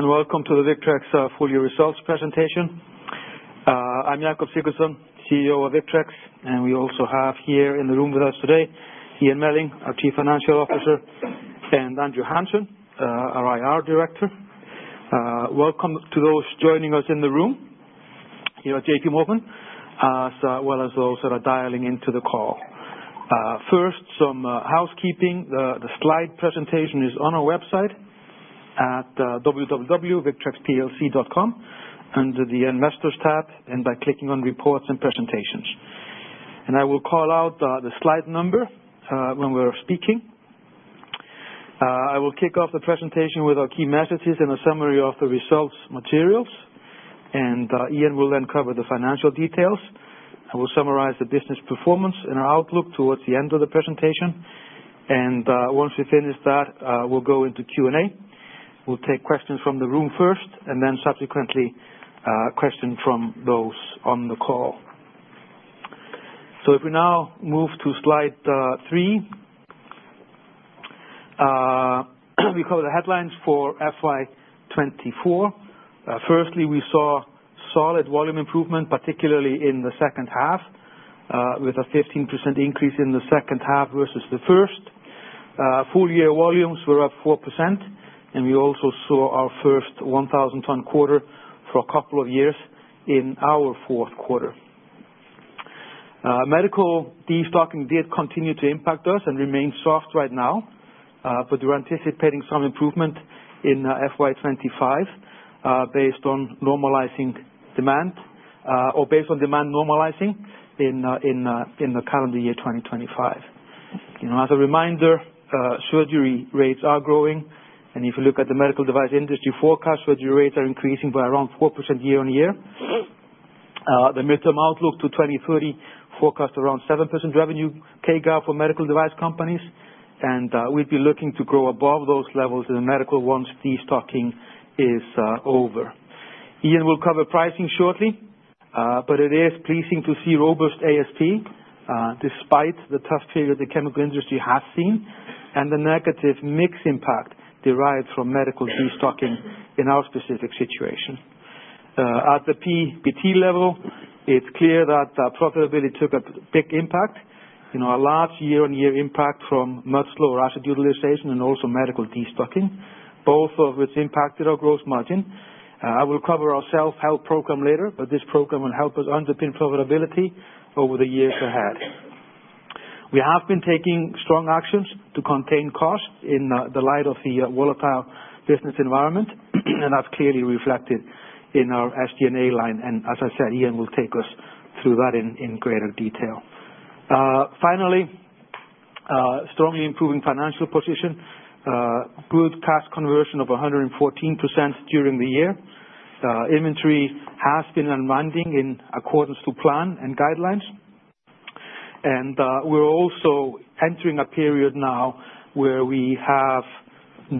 Welcome to the Victrex full-year results presentation. I'm Jakob Sigurdsson, CEO of Victrex, and we also have here in the room with us today Ian Melling, our Chief Financial Officer, and Andrew Hanson, our IR Director. Welcome to those joining us in the room here at JPMorgan, as well as those that are dialing into the call. First, some housekeeping. The slide presentation is on our website at www.victrexplc.com under the Investors tab and by clicking on Reports and Presentations. I will call out the slide number when we're speaking. I will kick off the presentation with our key messages and a summary of the results materials, and Ian will then cover the financial details. I will summarize the business performance and our outlook towards the end of the presentation. Once we finish that, we'll go into Q&A. We'll take questions from the room first and then subsequently questions from those on the call. So if we now move to slide three, we cover the headlines for FY 2024. Firstly, we saw solid volume improvement, particularly in the second half, with a 15% increase in the second half versus the first. Full-year volumes were up 4%, and we also saw our first 1,000-ton quarter for a couple of years in our fourth quarter. Medical destocking did continue to impact us and remain soft right now, but we're anticipating some improvement in FY 2025 based on normalizing demand or based on demand normalizing in the calendar year 2025. As a reminder, surgery rates are growing, and if you look at the medical device industry forecast, surgery rates are increasing by around 4% year-on-year. The midterm outlook to 2030 forecasts around 7% revenue CAGR for medical device companies, and we'd be looking to grow above those levels in the medical once destocking is over. Ian will cover pricing shortly, but it is pleasing to see robust ASP despite the tough period the chemical industry has seen and the negative mix impact derived from medical destocking in our specific situation. At the PBT level, it's clear that profitability took a big impact, a large year-on-year impact from much lower asset utilization and also medical destocking, both of which impacted our gross margin. I will cover our self-help program later, but this program will help us underpin profitability over the years ahead. We have been taking strong actions to contain costs in the light of the volatile business environment, and that's clearly reflected in our SG&A line. As I said, Ian will take us through that in greater detail. Finally, strongly improving financial position, good cash conversion of 114% during the year. Inventory has been unwinding in accordance to plan and guidelines, and we're also entering a period now where we have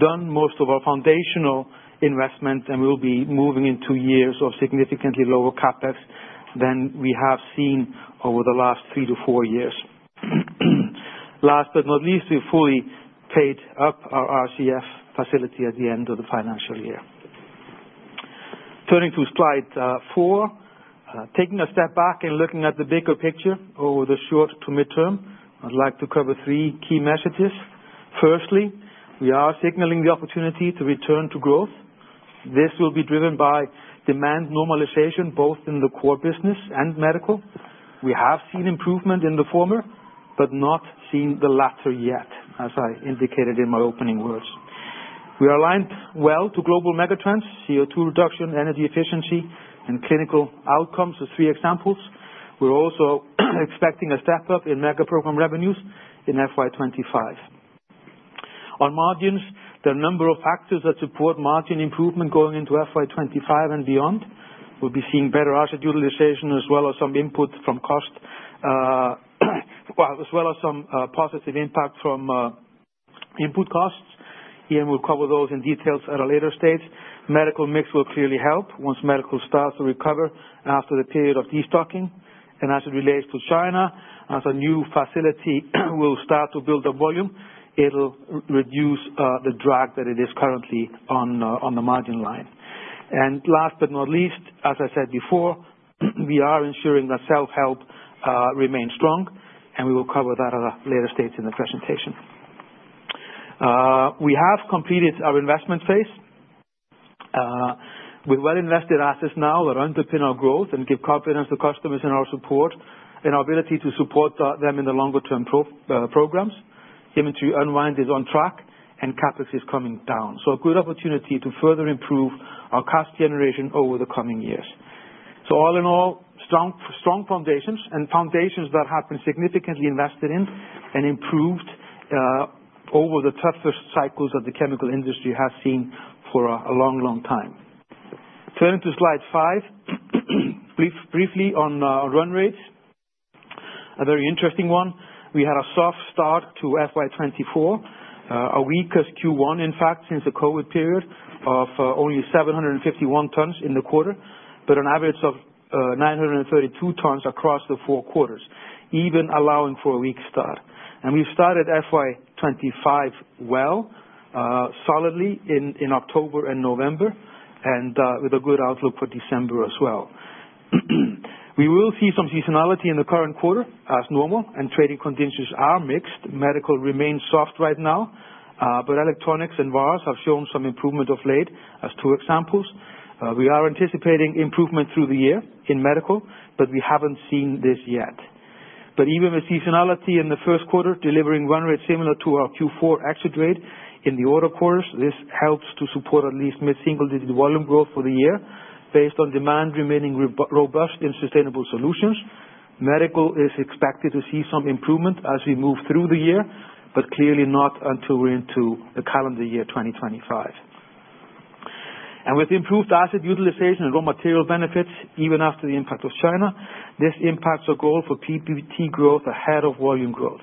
done most of our foundational investment and will be moving into years of significantly lower CapEx than we have seen over the last three to four years. Last but not least, we've fully paid up our RCF facility at the end of the financial year. Turning to slide four, taking a step back and looking at the bigger picture over the short to midterm, I'd like to cover three key messages. Firstly, we are signaling the opportunity to return to growth. This will be driven by demand normalization both in the core business and medical. We have seen improvement in the former, but not seen the latter yet, as I indicated in my opening words. We are aligned well to global megatrends, CO2 reduction, energy efficiency, and clinical outcomes as three examples. We're also expecting a step up in mega program revenues in FY 2025. On margins, there are a number of factors that support margin improvement going into FY 2025 and beyond. We'll be seeing better asset utilization as well as some input from cost, as well as some positive impact from input costs. Ian will cover those in detail at a later stage. Medical mix will clearly help once medical starts to recover after the period of destocking, and as it relates to China, as a new facility will start to build up volume, it'll reduce the drag that it is currently on the margin line. And last but not least, as I said before, we are ensuring that self-help remains strong, and we will cover that at a later stage in the presentation. We have completed our investment phase. We're well invested assets now that underpin our growth and give confidence to customers in our support and our ability to support them in the longer-term programs. Inventory unwind is on track, and CapEx is coming down. So a good opportunity to further improve our cost generation over the coming years. So all in all, strong foundations and foundations that have been significantly invested in and improved over the toughest cycles that the chemical industry has seen for a long, long time. Turning to slide five, briefly on run rates, a very interesting one. We had a soft start to FY 2024, a weakest Q1, in fact, since the COVID period of only 751 tons in the quarter, but an average of 932 tons across the four quarters, even allowing for a weak start, and we've started FY 2025 well, solidly in October and November, and with a good outlook for December as well. We will see some seasonality in the current quarter as normal, and trading conditions are mixed. Medical remains soft right now, but electronics and VARs have shown some improvement of late as two examples. We are anticipating improvement through the year in medical, but we haven't seen this yet, but even with seasonality in the first quarter, delivering run rates similar to our Q4 exit rate in the outer quarters, this helps to support at least mid-single-digit volume growth for the year based on demand remaining robust in sustainable solutions. Medical is expected to see some improvement as we move through the year, but clearly not until we're into the calendar year 2025, and with improved asset utilization and raw material benefits, even after the impact of China, this impacts our goal for PBT growth ahead of volume growth.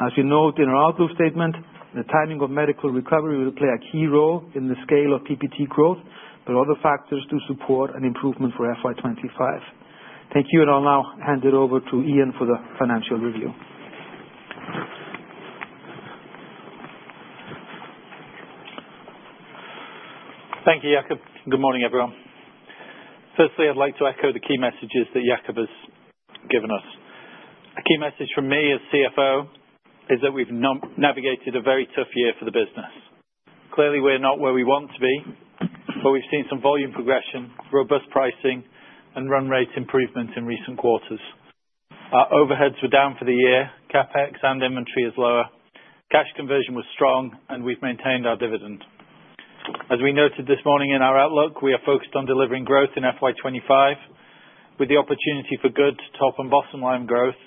As we note in our outlook statement, the timing of medical recovery will play a key role in the scale of PBT growth, but other factors do support an improvement for FY 2025. Thank you, and I'll now hand it over to Ian for the financial review. Thank you, Jakob. Good morning, everyone. Firstly, I'd like to echo the key messages that Jakob has given us. A key message for me as CFO is that we've navigated a very tough year for the business. Clearly, we're not where we want to be, but we've seen some volume progression, robust pricing, and run rate improvement in recent quarters. Our overheads were down for the year. CapEx and inventory is lower. Cash conversion was strong, and we've maintained our dividend. As we noted this morning in our outlook, we are focused on delivering growth in FY 2025 with the opportunity for good top and bottom line growth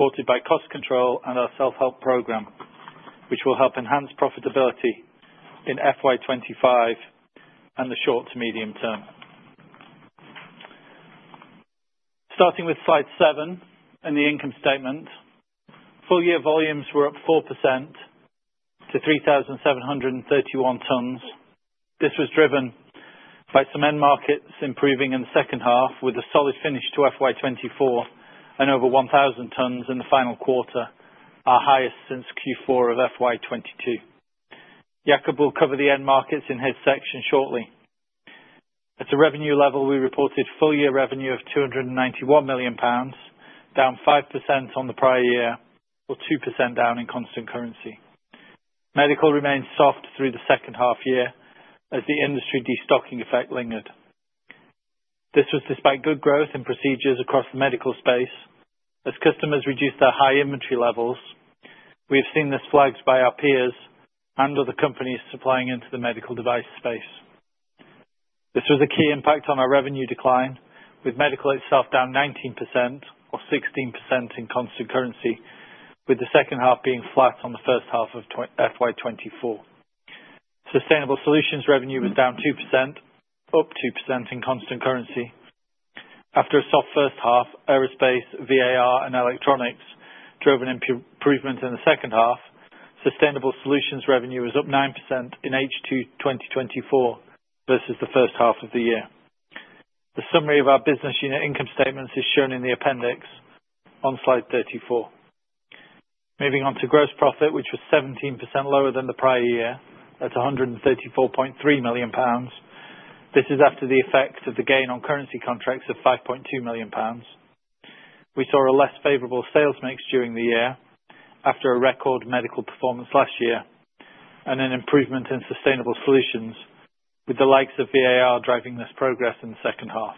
supported by cost control and our self-help program, which will help enhance profitability in FY 2025 and the short to medium term. Starting with slide seven and the income statement, full-year volumes were up 4% to 3,731 tons. This was driven by some end markets improving in the second half with a solid finish to FY 2024 and over 1,000 tons in the final quarter, our highest since Q4 of FY 2022. Jakob will cover the end markets in his section shortly. At a revenue level, we reported full-year revenue of 291 million pounds, down 5% on the prior year or 2% down in constant currency. Medical remained soft through the second half year as the industry destocking effect lingered. This was despite good growth in procedures across the medical space as customers reduced their high inventory levels. We have seen this flagged by our peers and other companies supplying into the medical device space. This was a key impact on our revenue decline, with medical itself down 19% or 16% in constant currency, with the second half being flat on the first half of FY 2024. Sustainable solutions revenue was down 2%, up 2% in constant currency. After a soft first half, aerospace, VAR, and electronics drove an improvement in the second half. Sustainable solutions revenue was up 9% in H2 2024 versus the first half of the year. The summary of our business unit income statements is shown in the appendix on slide 34. Moving on to gross profit, which was 17% lower than the prior year at 134.3 million pounds. This is after the effect of the gain on currency contracts of 5.2 million pounds. We saw a less favorable sales mix during the year after a record medical performance last year and an improvement in sustainable solutions, with the likes of VAR driving this progress in the second half.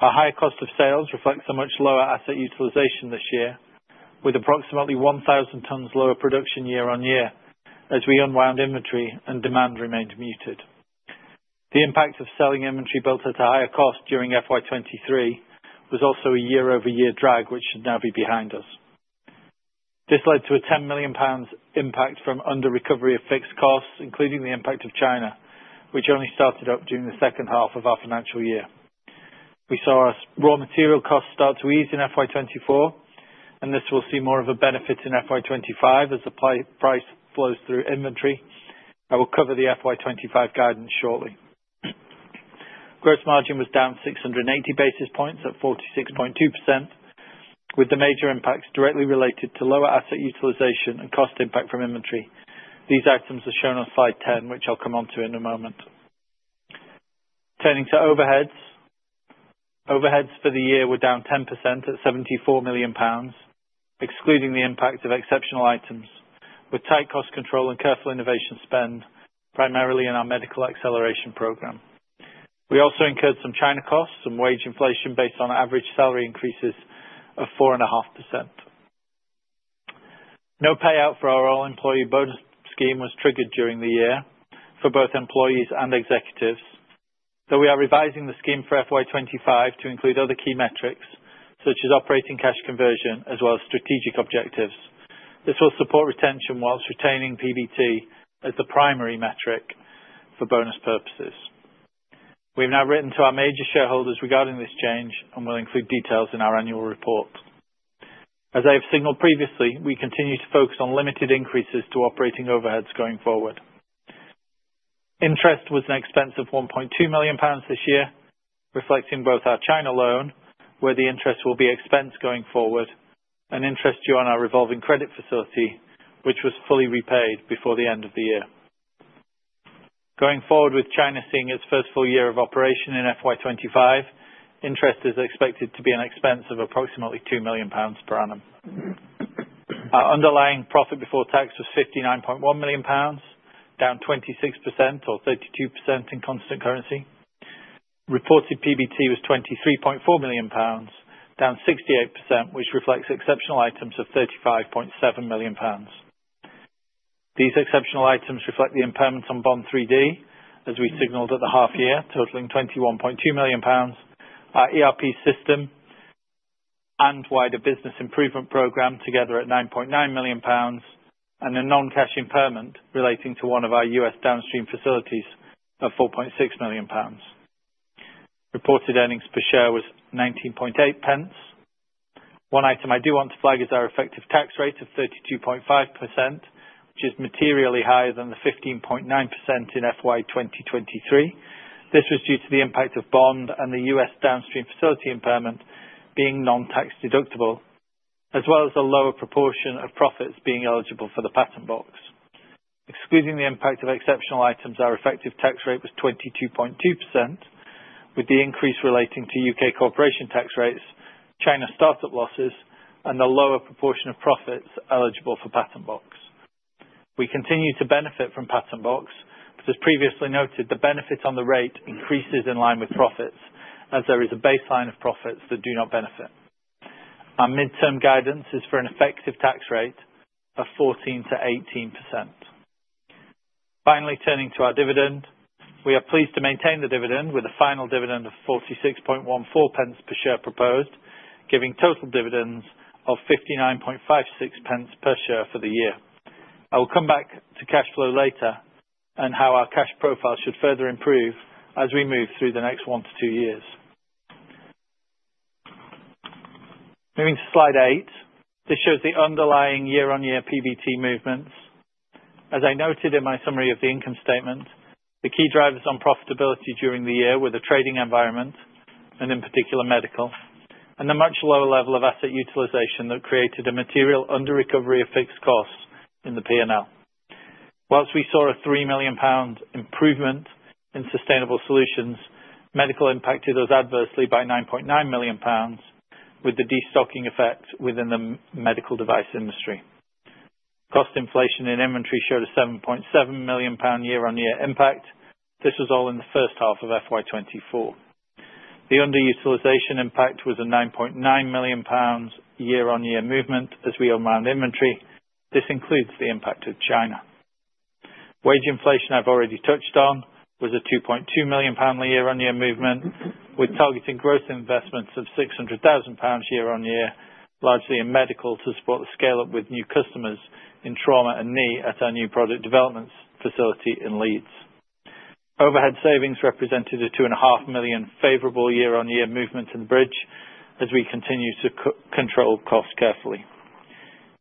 Our higher cost of sales reflects a much lower asset utilization this year, with approximately 1,000 tons lower production year on year as we unwound inventory and demand remained muted. The impact of selling inventory built at a higher cost during FY 2023 was also a year-over-year drag, which should now be behind us. This led to a 10 million pounds impact from under-recovery of fixed costs, including the impact of China, which only started up during the second half of our financial year. We saw raw material costs start to ease in FY 2024, and this will see more of a benefit in FY 2025 as the price flows through inventory. I will cover the FY 2025 guidance shortly. Gross margin was down 680 basis points at 46.2%, with the major impacts directly related to lower asset utilization and cost impact from inventory. These items are shown on slide 10, which I'll come on to in a moment. Turning to overheads, overheads for the year were down 10% at 74 million pounds, excluding the impact of exceptional items, with tight cost control and careful innovation spend primarily in our medical acceleration program. We also incurred some China costs and wage inflation based on average salary increases of 4.5%. No payout for our all-employee bonus scheme was triggered during the year for both employees and executives, though we are revising the scheme for FY 2025 to include other key metrics such as operating cash conversion as well as strategic objectives. This will support retention whilst retaining PBT as the primary metric for bonus purposes. We have now written to our major shareholders regarding this change and will include details in our annual report. As I have signaled previously, we continue to focus on limited increases to operating overheads going forward. Interest was an expense of 1.2 million pounds this year, reflecting both our China loan, where the interest will be expense going forward, and interest due on our revolving credit facility, which was fully repaid before the end of the year. Going forward with China seeing its first full year of operation in FY 2025, interest is expected to be an expense of approximately 2 million pounds per annum. Our underlying profit before tax was 59.1 million pounds, down 26% or 32% in constant currency. Reported PBT was 23.4 million pounds, down 68%, which reflects exceptional items of 35.7 million pounds. These exceptional items reflect the impairments on Bond 3D, as we signaled at the half year, totaling 21.2 million pounds. Our ERP system and wider business improvement program together at 9.9 million pounds, and a non-cash impairment relating to one of our U.S. downstream facilities of 4.6 million pounds. Reported earnings per share was 19.8 pence. One item I do want to flag is our effective tax rate of 32.5%, which is materially higher than the 15.9% in FY 2023. This was due to the impact of bond and the U.S. downstream facility impairment being non-tax deductible, as well as a lower proportion of profits being eligible for the Patent Box. Excluding the impact of exceptional items, our effective tax rate was 22.2%, with the increase relating to U.K. corporation tax rates, China startup losses, and the lower proportion of profits eligible for Patent Box. We continue to benefit from Patent Box, but as previously noted, the benefit on the rate increases in line with profits as there is a baseline of profits that do not benefit. Our mid-term guidance is for an effective tax rate of 14%-18%. Finally, turning to our dividend, we are pleased to maintain the dividend with a final dividend of 46.14 pence per share proposed, giving total dividends of 59.56 pence per share for the year. I will come back to cash flow later and how our cash profile should further improve as we move through the next one to two years. Moving to slide eight, this shows the underlying year-on-year PBT movements. As I noted in my summary of the income statement, the key drivers on profitability during the year were the trading environment, and in particular, medical, and the much lower level of asset utilization that created a material under-recovery of fixed costs in the P&L. While we saw a 3 million pound improvement in sustainable solutions, medical impacted us adversely by 9.9 million pounds with the destocking effect within the medical device industry. Cost inflation in inventory showed a 7.7 million pound year-on-year impact. This was all in the first half of FY 2024. The under-utilization impact was a 9.9 million pounds year-on-year movement as we unwound inventory. This includes the impact of China. Wage inflation I've already touched on was a 2.2 million pound year-on-year movement, with targeted gross investments of 600,000 pounds year-on-year, largely in medical to support the scale-up with new customers in trauma and knee at our new product development facility in Leeds. Overhead savings represented a 2.5 million favorable year-on-year movement in the bridge as we continue to control costs carefully.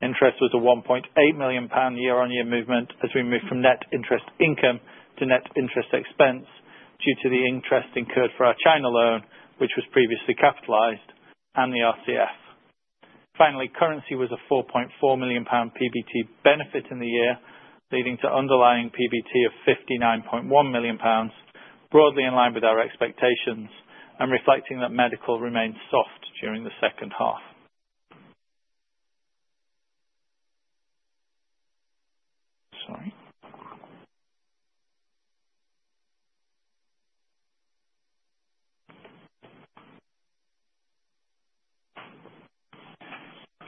Interest was a 1.8 million pound year-on-year movement as we moved from net interest income to net interest expense due to the interest incurred for our China loan, which was previously capitalized, and the RCF. Finally, currency was a 4.4 million pound PBT benefit in the year, leading to underlying PBT of 59.1 million pounds, broadly in line with our expectations and reflecting that medical remained soft during the second half. Sorry.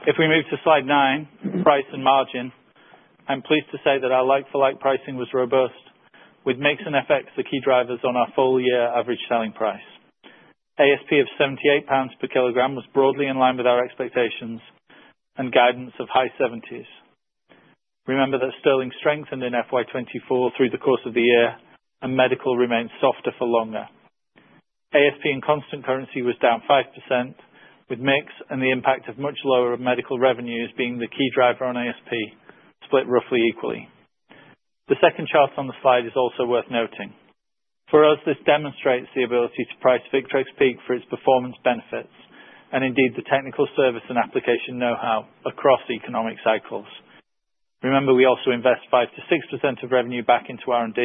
If we move to slide nine, price and margin, I'm pleased to say that our like-for-like pricing was robust, with mix and effects the key drivers on our full-year average selling price. ASP of 78 pounds per kilogram was broadly in line with our expectations and guidance of high 70s. Remember that sterling strengthened in FY 2024 through the course of the year, and medical remained softer for longer. ASP in constant currency was down 5%, with mix and the impact of much lower medical revenues being the key driver on ASP, split roughly equally. The second chart on the slide is also worth noting. For us, this demonstrates the ability to price Victrex PEEK for its performance benefits and indeed the technical service and application know-how across economic cycles. Remember, we also invest 5%-6% of revenue back into R&D.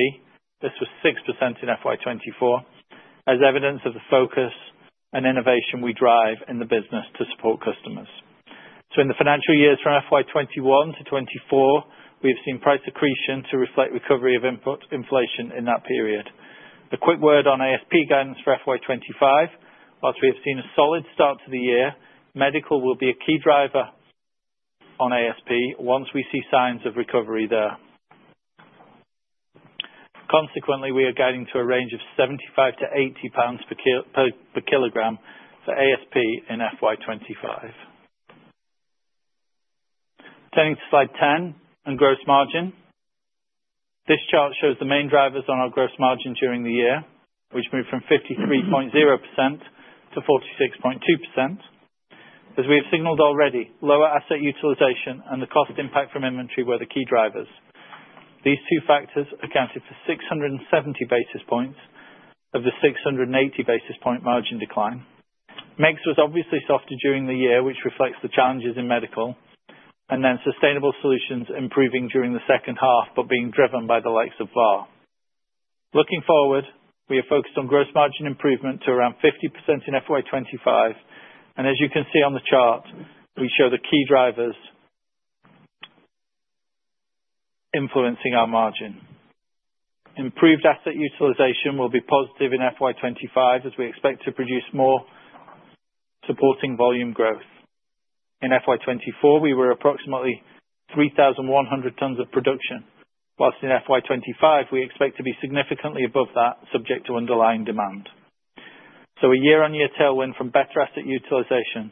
This was 6% in FY 2024, as evidence of the focus and innovation we drive in the business to support customers. So in the financial years from FY 2021 to 2024, we have seen price accretion to reflect recovery of inflation in that period. A quick word on ASP guidance for FY 2025. Whilst we have seen a solid start to the year, medical will be a key driver on ASP once we see signs of recovery there. Consequently, we are guiding to a range of 75-80 pounds per kilogram for ASP in FY 2025. Turning to slide 10 and gross margin. This chart shows the main drivers on our gross margin during the year, which moved from 53.0% to 46.2%. As we have signaled already, lower asset utilization and the cost impact from inventory were the key drivers. These two factors accounted for 670 basis points of the 680 basis point margin decline. Mix was obviously softer during the year, which reflects the challenges in medical, and then sustainable solutions improving during the second half but being driven by the likes of VAR. Looking forward, we have focused on gross margin improvement to around 50% in FY 2025, and as you can see on the chart, we show the key drivers influencing our margin. Improved asset utilization will be positive in FY 2025 as we expect to produce more supporting volume growth. In FY 2024, we were approximately 3,100 tons of production, whilst in FY 2025, we expect to be significantly above that, subject to underlying demand, so a year-on-year tailwind from better asset utilization,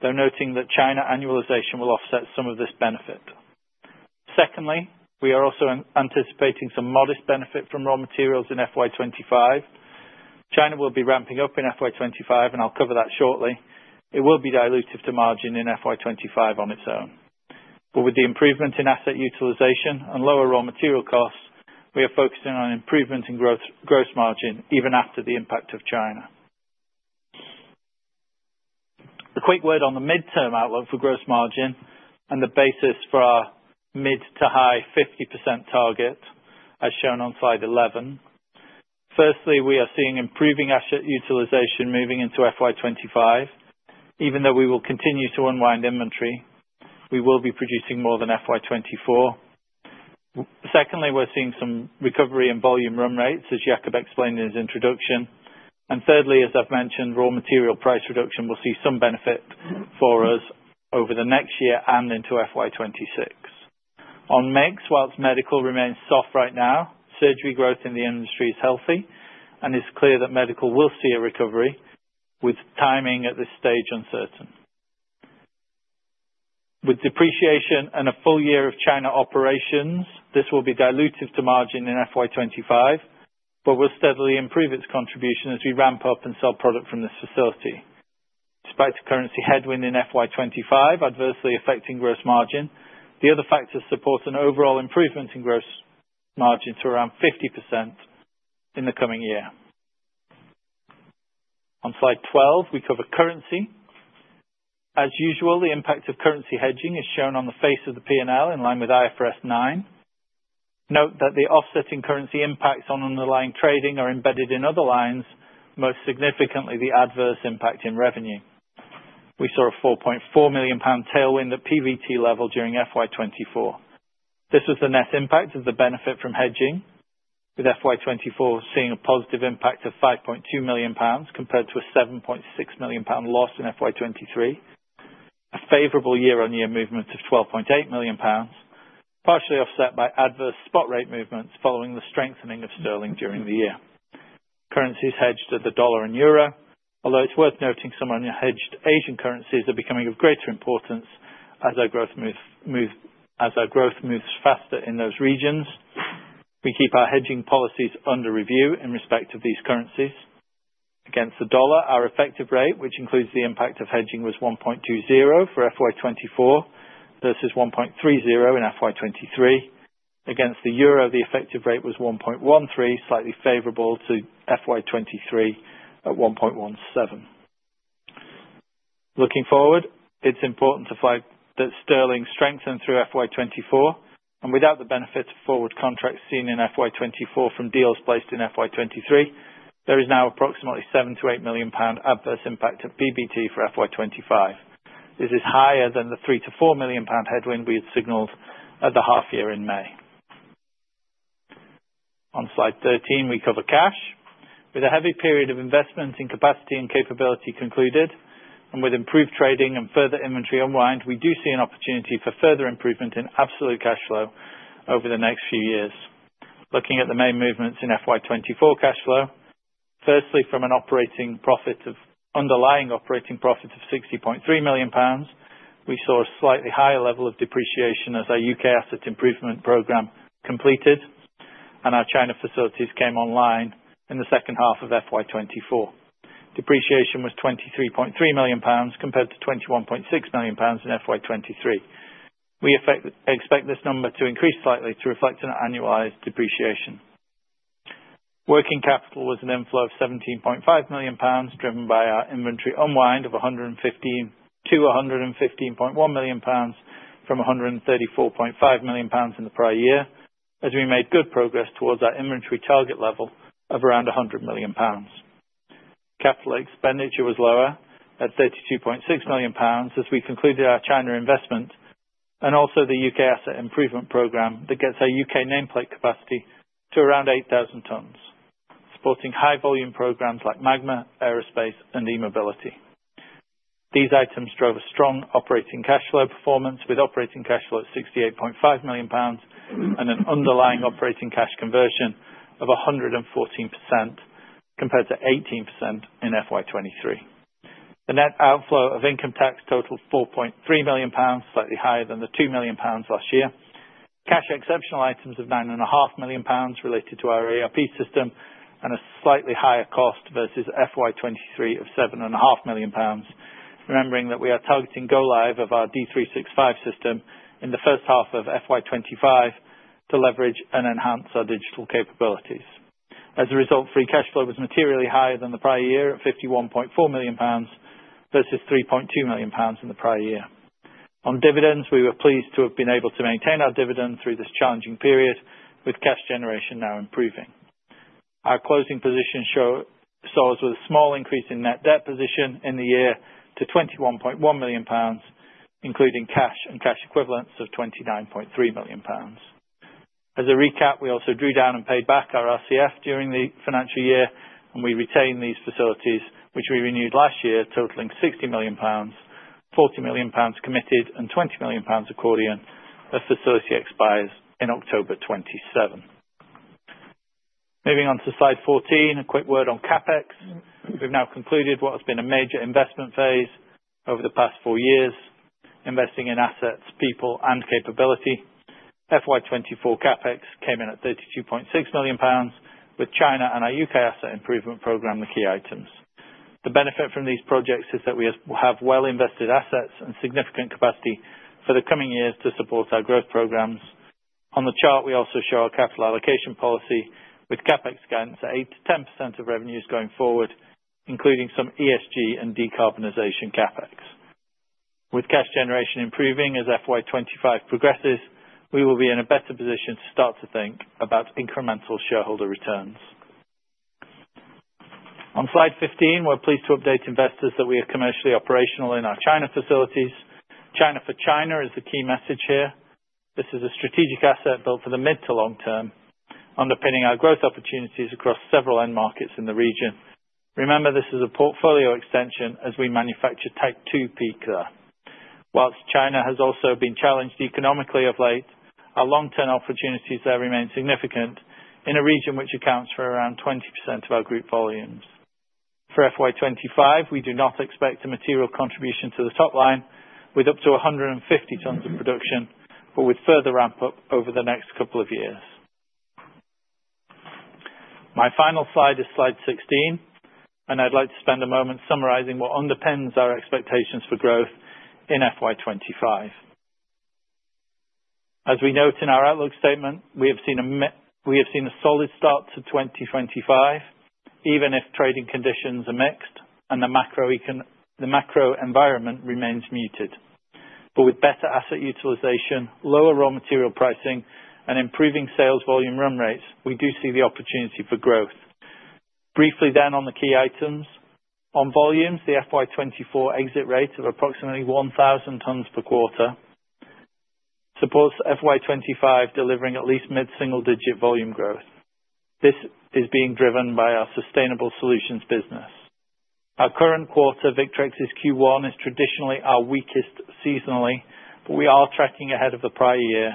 though noting that China annualization will offset some of this benefit. Secondly, we are also anticipating some modest benefit from raw materials in FY 2025. China will be ramping up in FY 2025, and I'll cover that shortly. It will be dilutive to margin in FY 2025 on its own. But with the improvement in asset utilization and lower raw material costs, we are focusing on improvement in gross margin even after the impact of China. A quick word on the midterm outlook for gross margin and the basis for our mid- to high-50% target, as shown on slide 11. Firstly, we are seeing improving asset utilization moving into FY 2025. Even though we will continue to unwind inventory, we will be producing more than FY 2024. Secondly, we're seeing some recovery in volume run rates, as Jakob explained in his introduction. And thirdly, as I've mentioned, raw material price reduction will see some benefit for us over the next year and into FY 2026. On mix, whilst medical remains soft right now, surgery growth in the industry is healthy, and it's clear that medical will see a recovery, with timing at this stage uncertain. With depreciation and a full year of China operations, this will be dilutive to margin in FY 2025, but will steadily improve its contribution as we ramp up and sell product from this facility. Despite the currency headwind in FY 2025 adversely affecting gross margin, the other factors support an overall improvement in gross margin to around 50% in the coming year. On slide 12, we cover currency. As usual, the impact of currency hedging is shown on the face of the P&L in line with IFRS 9. Note that the offsetting currency impacts on underlying trading are embedded in other lines, most significantly the adverse impact in revenue. We saw a 4.4 million pound tailwind at PBT level during FY 2024. This was the net impact of the benefit from hedging, with FY 2024 seeing a positive impact of 5.2 million pounds compared to a 7.6 million pound loss in FY 2023, a favorable year-on-year movement of 12.8 million pounds, partially offset by adverse spot rate movements following the strengthening of sterling during the year. Currencies hedged are the dollar and euro, although it's worth noting some unhedged Asian currencies are becoming of greater importance as our growth moves faster in those regions. We keep our hedging policies under review in respect of these currencies. Against the dollar, our effective rate, which includes the impact of hedging, was 1.20 for FY 2024 versus 1.30 in FY 2023. Against the euro, the effective rate was 1.13, slightly favorable to FY 2023 at 1.17. Looking forward, it's important to flag that sterling strengthened through FY 2024, and without the benefit of forward contracts seen in FY 2024 from deals placed in FY 2023, there is now approximately 7 million-8 million pound adverse impact of PBT for FY 2025. This is higher than the 3 million-4 million pound headwind we had signaled at the half year in May. On slide 13, we cover cash. With a heavy period of investment in capacity and capability concluded, and with improved trading and further inventory unwind, we do see an opportunity for further improvement in absolute cash flow over the next few years. Looking at the main movements in FY 2024 cash flow, firstly, from an underlying operating profit of 60.3 million pounds, we saw a slightly higher level of depreciation as our U.K. asset improvement program completed and our China facilities came online in the second half of FY 2024. Depreciation was 23.3 million pounds compared to 21.6 million pounds in FY 2023. We expect this number to increase slightly to reflect an annualized depreciation. Working capital was an inflow of GBP 17.5 million, driven by our inventory unwind of GBP 115.1 million from GBP 134.5 million in the prior year, as we made good progress towards our inventory target level of around GBP 100 million. Capital expenditure was lower at GBP 32.6 million as we concluded our China investment and also the U.K. asset improvement program that gets our U.K. nameplate capacity to around 8,000 tons, supporting high-volume programs like Magma, aerospace, and e-mobility. These items drove a strong operating cash flow performance, with operating cash flow at 68.5 million pounds and an underlying operating cash conversion of 114% compared to 18% in FY 2023. The net outflow of income tax totaled 4.3 million pounds, slightly higher than the 2 million pounds last year. Cash exceptional items of 9.5 million pounds related to our ERP system and a slightly higher cost versus FY 2023 of 7.5 million pounds, remembering that we are targeting go-live of our D365 system in the first half of FY 2025 to leverage and enhance our digital capabilities. As a result, free cash flow was materially higher than the prior year at 51.4 million pounds versus 3.2 million pounds in the prior year. On dividends, we were pleased to have been able to maintain our dividend through this challenging period, with cash generation now improving. Our closing position saw us with a small increase in net debt position in the year to 21.1 million pounds, including cash and cash equivalents of 29.3 million pounds. As a recap, we also drew down and paid back our RCF during the financial year, and we retained these facilities, which we renewed last year, totaling 60 million pounds, 40 million pounds committed, and 20 million pounds accordion facility expires in October 2027. Moving on to slide 14, a quick word on CapEx. We've now concluded what has been a major investment phase over the past four years, investing in assets, people, and capability. FY 2024 CapEx came in at 32.6 million pounds, with China and our U.K. asset improvement program the key items. The benefit from these projects is that we will have well-invested assets and significant capacity for the coming years to support our growth programs. On the chart, we also show our capital allocation policy, with CapEx guidance at 8%-10% of revenues going forward, including some ESG and decarbonization CapEx. With cash generation improving as FY 2025 progresses, we will be in a better position to start to think about incremental shareholder returns. On slide 15, we're pleased to update investors that we are commercially operational in our China facilities. China for China is the key message here. This is a strategic asset built for the mid to long term, underpinning our growth opportunities across several end markets in the region. Remember, this is a portfolio extension as we manufacture Type 2 PEEK here. Whilst China has also been challenged economically of late, our long-term opportunities there remain significant in a region which accounts for around 20% of our group volumes. For FY 2025, we do not expect a material contribution to the top line, with up to 150 tons of production, but with further ramp-up over the next couple of years. My final slide is slide 16, and I'd like to spend a moment summarizing what underpins our expectations for growth in FY 2025. As we note in our outlook statement, we have seen a solid start to 2025, even if trading conditions are mixed and the macro environment remains muted. But with better asset utilization, lower raw material pricing, and improving sales volume run rates, we do see the opportunity for growth. Briefly then on the key items. On volumes, the FY 2024 exit rate of approximately 1,000 tons per quarter supports FY 2025 delivering at least mid-single-digit volume growth. This is being driven by our sustainable solutions business. Our current quarter, Victrex's Q1, is traditionally our weakest seasonally, but we are tracking ahead of the prior year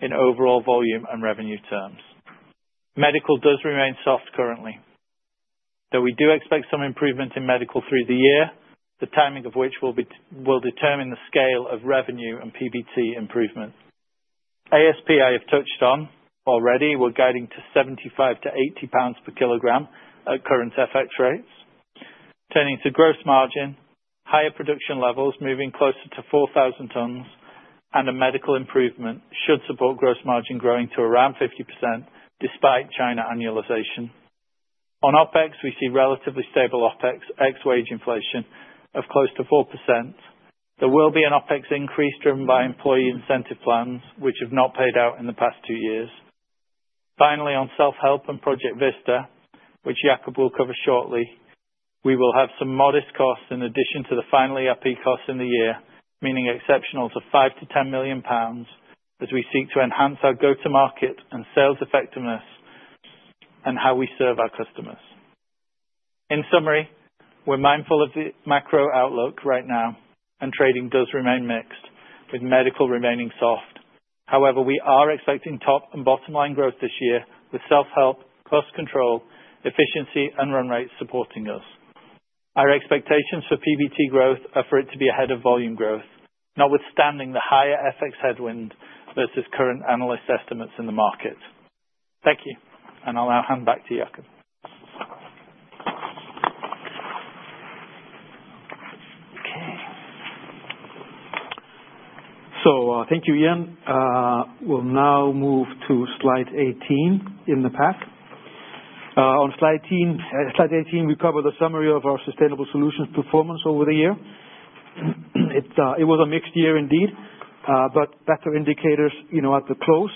in overall volume and revenue terms. Medical does remain soft currently. Though we do expect some improvement in medical through the year, the timing of which will determine the scale of revenue and PBT improvement. ASP, I have touched on already, we're guiding to 75-80 pounds per kilogram at current FX rates. Turning to gross margin, higher production levels moving closer to 4,000 tons and a medical improvement should support gross margin growing to around 50% despite China annualization. On OpEx, we see relatively stable OpEx ex-wage inflation of close to 4%. There will be an OpEx increase driven by employee incentive plans, which have not paid out in the past two years. Finally, on self-help and Project Vista, which Jakob will cover shortly, we will have some modest costs in addition to the final ERP costs in the year, meaning exceptional to 5 million-10 million pounds as we seek to enhance our go-to-market and sales effectiveness and how we serve our customers. In summary, we're mindful of the macro outlook right now, and trading does remain mixed, with medical remaining soft. However, we are expecting top and bottom line growth this year, with self-help, cost control, efficiency, and run rates supporting us. Our expectations for PBT growth are for it to be ahead of volume growth, notwithstanding the higher FX headwind versus current analyst estimates in the market. Thank you, and I'll now hand back to Jakob. Okay. So thank you, Ian. We'll now move to slide 18 in the pack. On slide 18, we cover the summary of our sustainable solutions performance over the year. It was a mixed year indeed, but better indicators at the close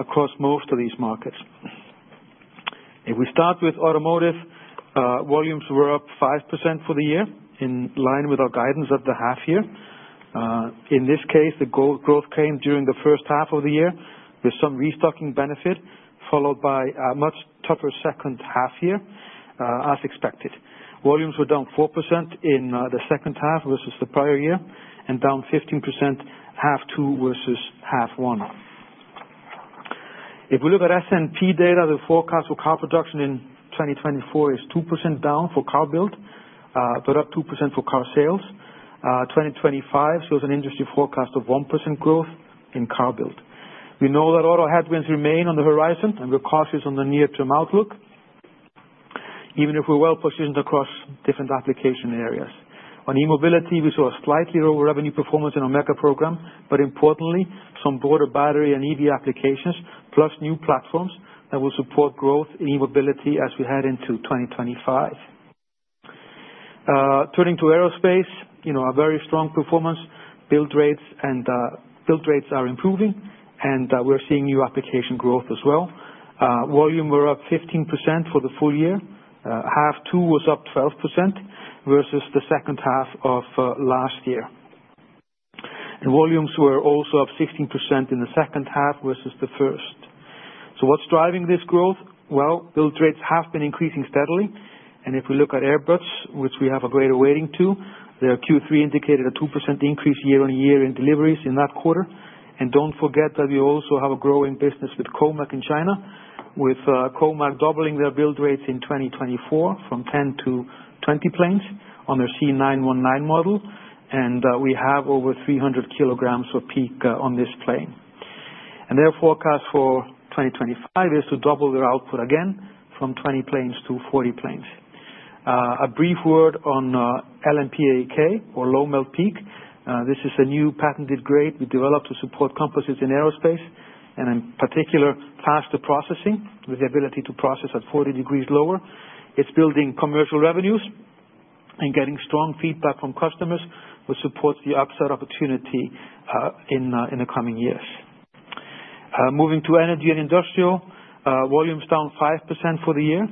across most of these markets. If we start with automotive, volumes were up 5% for the year, in line with our guidance of the half year. In this case, the growth came during the first half of the year, with some restocking benefit, followed by a much tougher second half year as expected. Volumes were down 4% in the second half versus the prior year and down 15% half two versus half one. If we look at S&P data, the forecast for car production in 2024 is 2% down for car build, but up 2% for car sales. 2025 shows an industry forecast of 1% growth in car build. We know that auto headwinds remain on the horizon, and we're cautious on the near-term outlook, even if we're well positioned across different application areas. On e-mobility, we saw a slightly lower revenue performance in our mega program, but importantly, some broader battery and EV applications, plus new platforms that will support growth in e-mobility as we head into 2025. Turning to aerospace, a very strong performance. Build rates are improving, and we're seeing new application growth as well. Volumes were up 15% for the full year. Half two was up 12% versus the second half of last year, and volumes were also up 16% in the second half versus the first. What's driving this growth? Well, build rates have been increasing steadily. If we look at Airbus, which we have a greater weighting to, their Q3 indicated a 2% increase year-on-year in deliveries in that quarter. Don't forget that we also have a growing business with COMAC in China, with COMAC doubling their build rates in 2024 from 10 to 20 planes on their C919 model. We have over 300 kg of PEEK on this plane. Their forecast for 2025 is to double their output again from 20 planes to 40 planes. A brief word on LMPAEK, or low-melt PEEK. This is a new patented grade we developed to support composites in aerospace, and in particular, faster processing with the ability to process at 40 degrees lower. It's building commercial revenues and getting strong feedback from customers, which supports the upside opportunity in the coming years. Moving to energy and industrial, volumes down 5% for the year,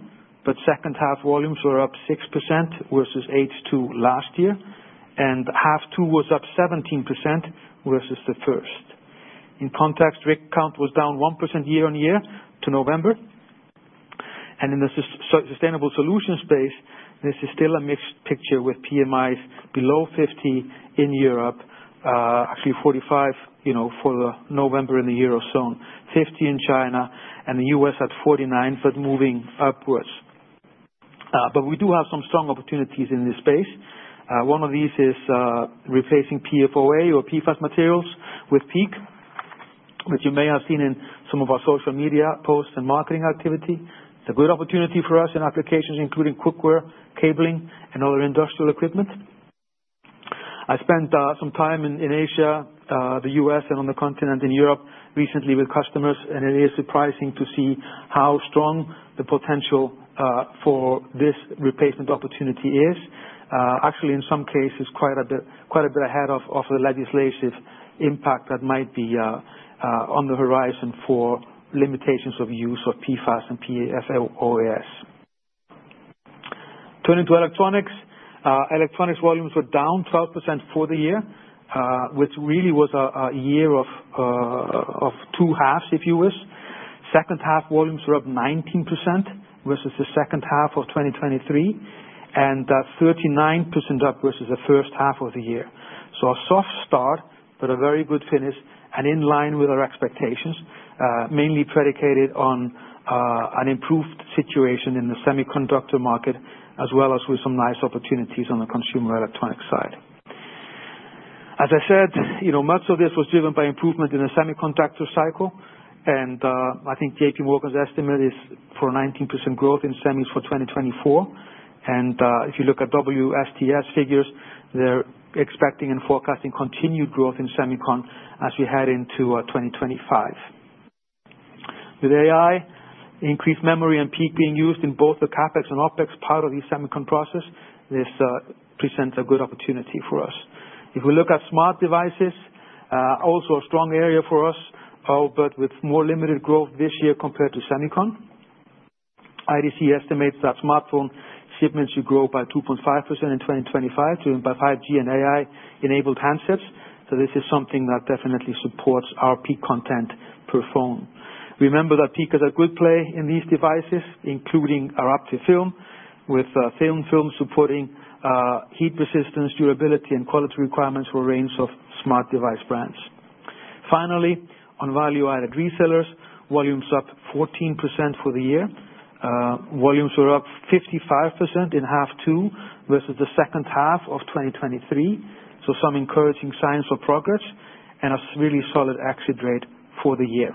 but second half volumes were up 6% versus H2 last year. And half two was up 17% versus the first. In context, rig count was down 1% year-on-year to November. And in the sustainable solutions space, this is still a mixed picture with PMIs below 50 in Europe, actually 45 for November in the Eurozone, 50 in China, and the U.S. at 49, but moving upwards. But we do have some strong opportunities in this space. One of these is replacing PFOA or PFAS materials with PEEK, which you may have seen in some of our social media posts and marketing activity. It is a good opportunity for us in applications including cookware, cabling, and other industrial equipment. I spent some time in Asia, the U.S., and on the continent in Europe recently with customers, and it is surprising to see how strong the potential for this replacement opportunity is. Actually, in some cases, quite a bit ahead of the legislative impact that might be on the horizon for limitations of use of PFAS and PFOAs. Turning to electronics, electronics volumes were down 12% for the year, which really was a year of two halves, if you wish. Second half volumes were up 19% versus the second half of 2023, and 39% up versus the first half of the year. So a soft start, but a very good finish, and in line with our expectations, mainly predicated on an improved situation in the semiconductor market, as well as with some nice opportunities on the consumer electronic side. As I said, much of this was driven by improvement in the semiconductor cycle, and I think JPMorgan's estimate is for 19% growth in semis for 2024. And if you look at WSTS figures, they're expecting and forecasting continued growth in semiconductors as we head into 2025. With AI, increased memory and PEEK being used in both the CapEx and OpEx part of the semiconductor process, this presents a good opportunity for us. If we look at smart devices, also a strong area for us, but with more limited growth this year compared to semiconductors. IDC estimates that smartphone shipments should grow by 2.5% in 2025, driven by 5G and AI-enabled handsets. So this is something that definitely supports our PEEK content per phone. Remember that PEEK is a good play in these devices, including our APTIV film, with film supporting heat resistance, durability, and quality requirements for a range of smart device brands. Finally, on value-added resellers, volumes up 14% for the year. Volumes were up 55% in half two versus the second half of 2023. So some encouraging signs of progress and a really solid exit rate for the year.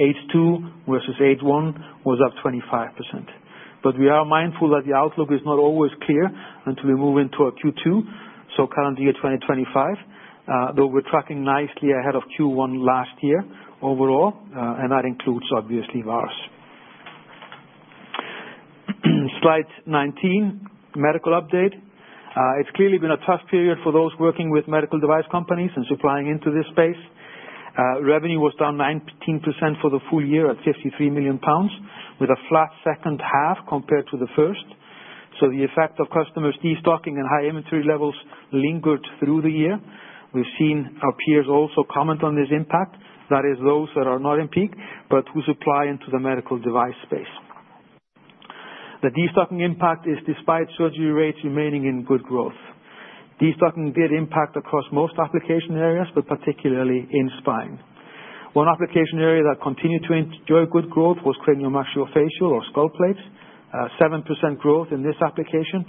H2 versus H1 was up 25%. But we are mindful that the outlook is not always clear until we move into Q2, so current year 2025, though we're tracking nicely ahead of Q1 last year overall, and that includes obviously ours. Slide 19, medical update. It's clearly been a tough period for those working with medical device companies and supplying into this space. Revenue was down 19% for the full year at 53 million pounds, with a flat second half compared to the first. So the effect of customers destocking and high inventory levels lingered through the year. We've seen our peers also comment on this impact, that is, those that are not in PEEK but who supply into the medical device space. The destocking impact is despite surgery rates remaining in good growth. Destocking did impact across most application areas, but particularly in spine. One application area that continued to enjoy good growth was craniomaxillofacial or skull plates, 7% growth in this application.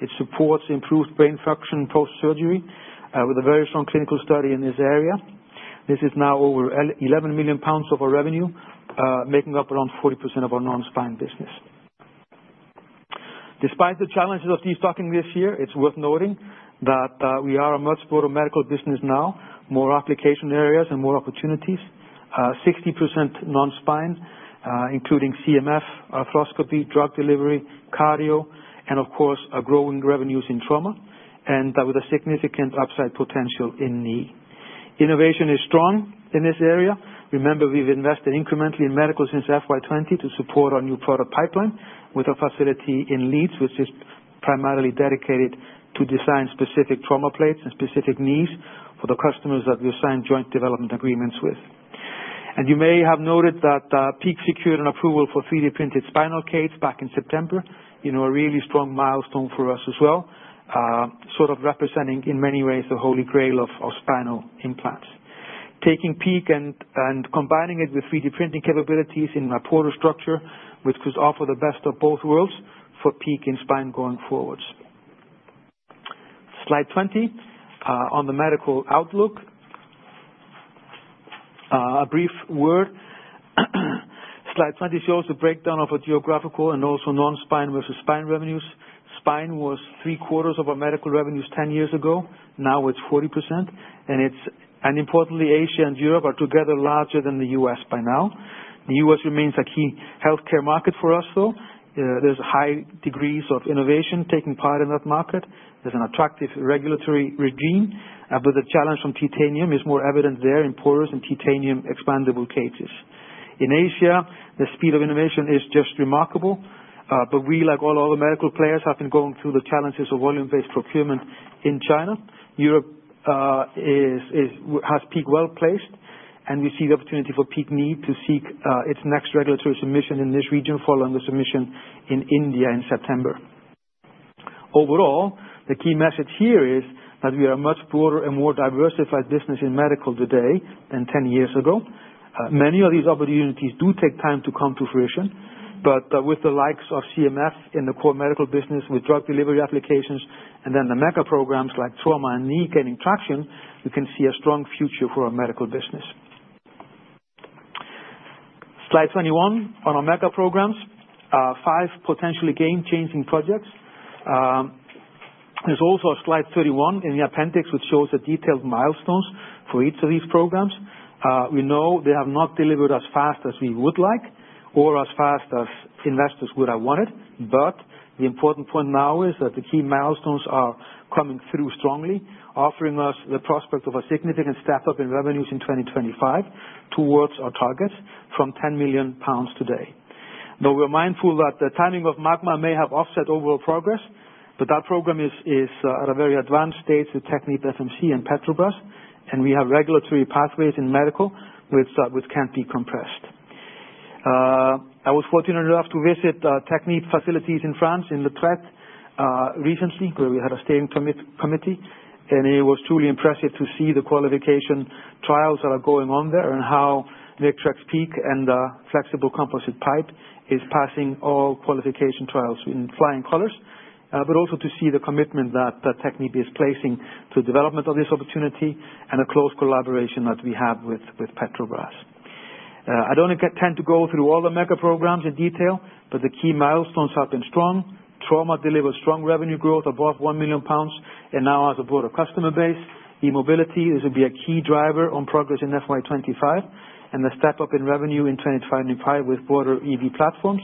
It supports improved brain function post-surgery with a very strong clinical study in this area. This is now over 11 million pounds of our revenue, making up around 40% of our non-spine business. Despite the challenges of destocking this year, it's worth noting that we are a much broader medical business now, more application areas and more opportunities, 60% non-spine, including CMF, arthroscopy, drug delivery, cardio, and of course, growing revenues in trauma, and with a significant upside potential in knee. Innovation is strong in this area. Remember, we've invested incrementally in medical since FY 2020 to support our new product pipeline with a facility in Leeds, which is primarily dedicated to design-specific trauma plates and specific knees for the customers that we've signed joint development agreements with. And you may have noted that PEEK secured an approval for 3D-printed spinal cage back in September, a really strong milestone for us as well, sort of representing in many ways the Holy Grail of spinal implants. Taking PEEK and combining it with 3D-printing capabilities in lattice structure, which could offer the best of both worlds for PEEK in spine going forwards. Slide 20, on the medical outlook, a brief word. Slide 20 shows the breakdown of our geographical and also non-spine versus spine revenues. Spine was three-quarters of our medical revenues 10 years ago. Now it's 40%, and importantly, Asia and Europe are together larger than the U.S. by now. The U.S. remains a key healthcare market for us, though. There's high degrees of innovation taking part in that market. There's an attractive regulatory regime, but the challenge from titanium is more evident there in porous and titanium expandable cages. In Asia, the speed of innovation is just remarkable, but we, like all other medical players, have been going through the challenges of volume-based procurement in China. Europe has PEEK well placed, and we see the opportunity for PEEK to seek its next regulatory submission in this region following the submission in India in September. Overall, the key message here is that we are a much broader and more diversified business in medical today than 10 years ago. Many of these opportunities do take time to come to fruition, but with the likes of CMF in the core medical business, with drug delivery applications, and then the mega programs like trauma and knee gaining traction, you can see a strong future for our medical business. Slide 21, on our mega programs, five potentially game-changing projects. There's also a slide 31 in the appendix, which shows the detailed milestones for each of these programs. We know they have not delivered as fast as we would like or as fast as investors would have wanted, but the important point now is that the key milestones are coming through strongly, offering us the prospect of a significant step up in revenues in 2025 towards our targets from 10 million pounds today. Though we're mindful that the timing of Magma may have offset overall progress, but that program is at a very advanced stage with TechnipFMC and Petrobras, and we have regulatory pathways in medical which can't be compressed. I was fortunate enough to visit Technip facilities in France in Le Trait recently, where we had a steering committee, and it was truly impressive to see the qualification trials that are going on there and how Victrex PEEK and the flexible composite pipe is passing all qualification trials with flying colors, but also to see the commitment that Technip is placing to the development of this opportunity and the close collaboration that we have with Petrobras. I don't intend to go through all the Magma programs in detail, but the key milestones have been strong. Trauma delivers strong revenue growth above 1 million pounds, and now has a broader customer base. E-mobility, this will be a key driver on progress in FY 2025, and the step up in revenue in 2025 with broader EV platforms.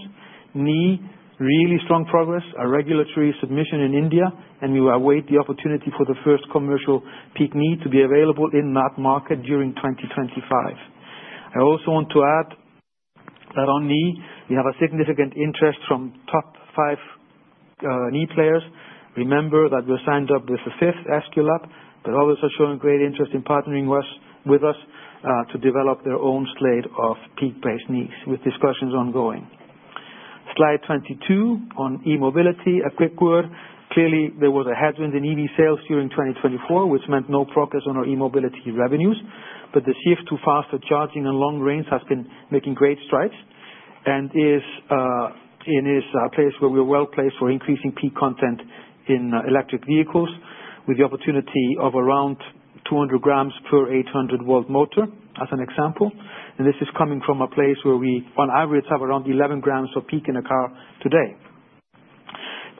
Knee, really strong progress, a regulatory submission in India, and we will await the opportunity for the first commercial PEEK knee to be available in that market during 2025. I also want to add that on knee, we have a significant interest from top five knee players. Remember that we're signed up with the fifth Aesculap, but others are showing great interest in partnering with us to develop their own slate of PEEK-based knees, with discussions ongoing. Slide 22, on e-mobility, a quick word. Clearly, there was a headwind in EV sales during 2024, which meant no progress on our e-mobility revenues, but the shift to faster charging and long range has been making great strides and is in a place where we're well placed for increasing PEEK content in electric vehicles, with the opportunity of around 200 g per 800V motor as an example. This is coming from a place where we on average have around 11 g of PEEK in a car today.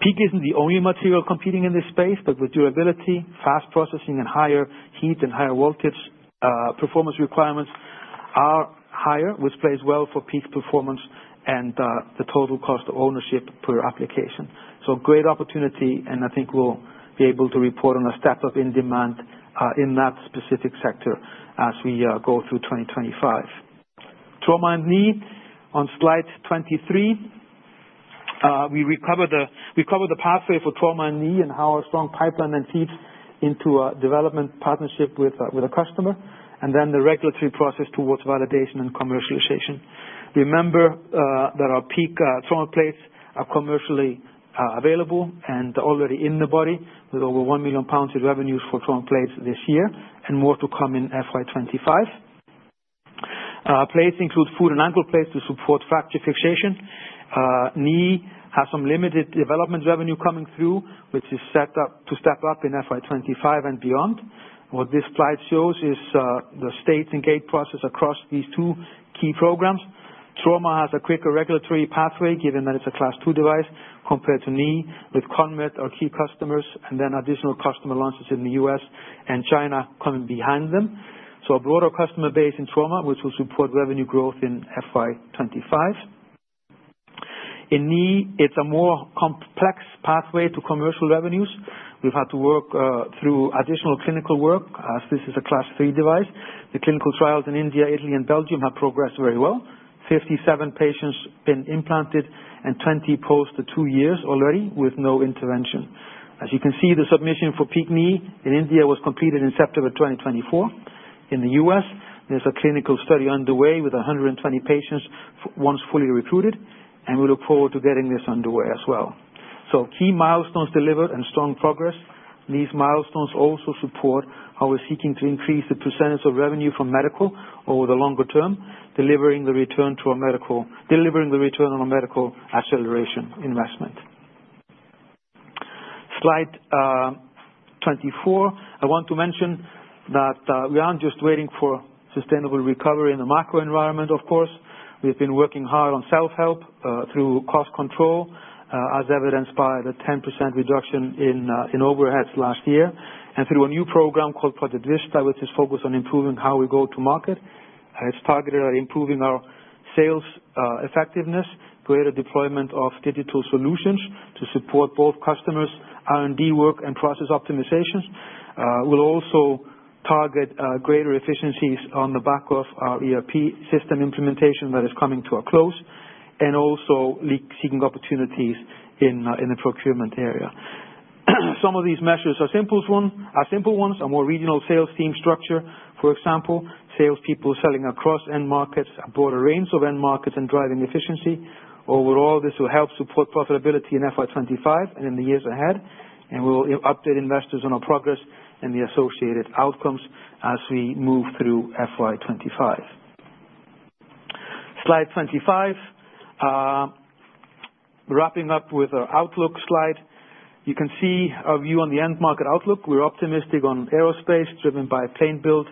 PEEK isn't the only material competing in this space, but with durability, fast processing, and higher heat and higher voltage performance requirements are higher, which plays well for PEEK performance and the total cost of ownership per application. Great opportunity, and I think we'll be able to report on a step up in demand in that specific sector as we go through 2025. Trauma and knee. On slide 23, we covered the pathway for trauma and knee and how a strong pipeline then feeds into a development partnership with a customer, and then the regulatory process towards validation and commercialization. Remember that our PEEK trauma plates are commercially available and already in the body with over 1 million pounds in revenues for trauma plates this year and more to come in FY 2025. Plates include foot and ankle plates to support fracture fixation. Knee has some limited development revenue coming through, which is set up to step up in FY 2025 and beyond. What this slide shows is the stage and gate process across these two key programs. Trauma has a quicker regulatory pathway given that it's a Class II device compared to knee with ConMed, our key customers and then additional customer launches in the U.S. and China coming behind them. So a broader customer base in trauma, which will support revenue growth in FY 2025. In knee, it's a more complex pathway to commercial revenues. We've had to work through additional clinical work as this is a Class III device. The clinical trials in India, Italy, and Belgium have progressed very well. 57 patients have been implanted and 20 past the two years already with no intervention. As you can see, the submission for PEEK knee in India was completed in September 2024. In the U.S., there's a clinical study underway with 120 patients once fully recruited, and we look forward to getting this underway as well, so key milestones delivered and strong progress. These milestones also support how we're seeking to increase the percentage of revenue from medical over the longer term, delivering the return on our medical acceleration investment. Slide 24, I want to mention that we aren't just waiting for sustainable recovery in the macro environment, of course. We've been working hard on self-help through cost control, as evidenced by the 10% reduction in overheads last year, and through a new program called Project Vista, which is focused on improving how we go to market. It's targeted at improving our sales effectiveness, greater deployment of digital solutions to support both customers' R&D work and process optimizations. We'll also target greater efficiencies on the back of our ERP system implementation that is coming to a close and also seeking opportunities in the procurement area. Some of these measures are simple ones. A more regional sales team structure, for example, salespeople selling across end markets, a broader range of end markets, and driving efficiency. Overall, this will help support profitability in FY 2025 and in the years ahead, and we'll update investors on our progress and the associated outcomes as we move through FY 2025. Slide 25, wrapping up with our outlook slide. You can see our view on the end market outlook. We're optimistic on aerospace driven by plane build,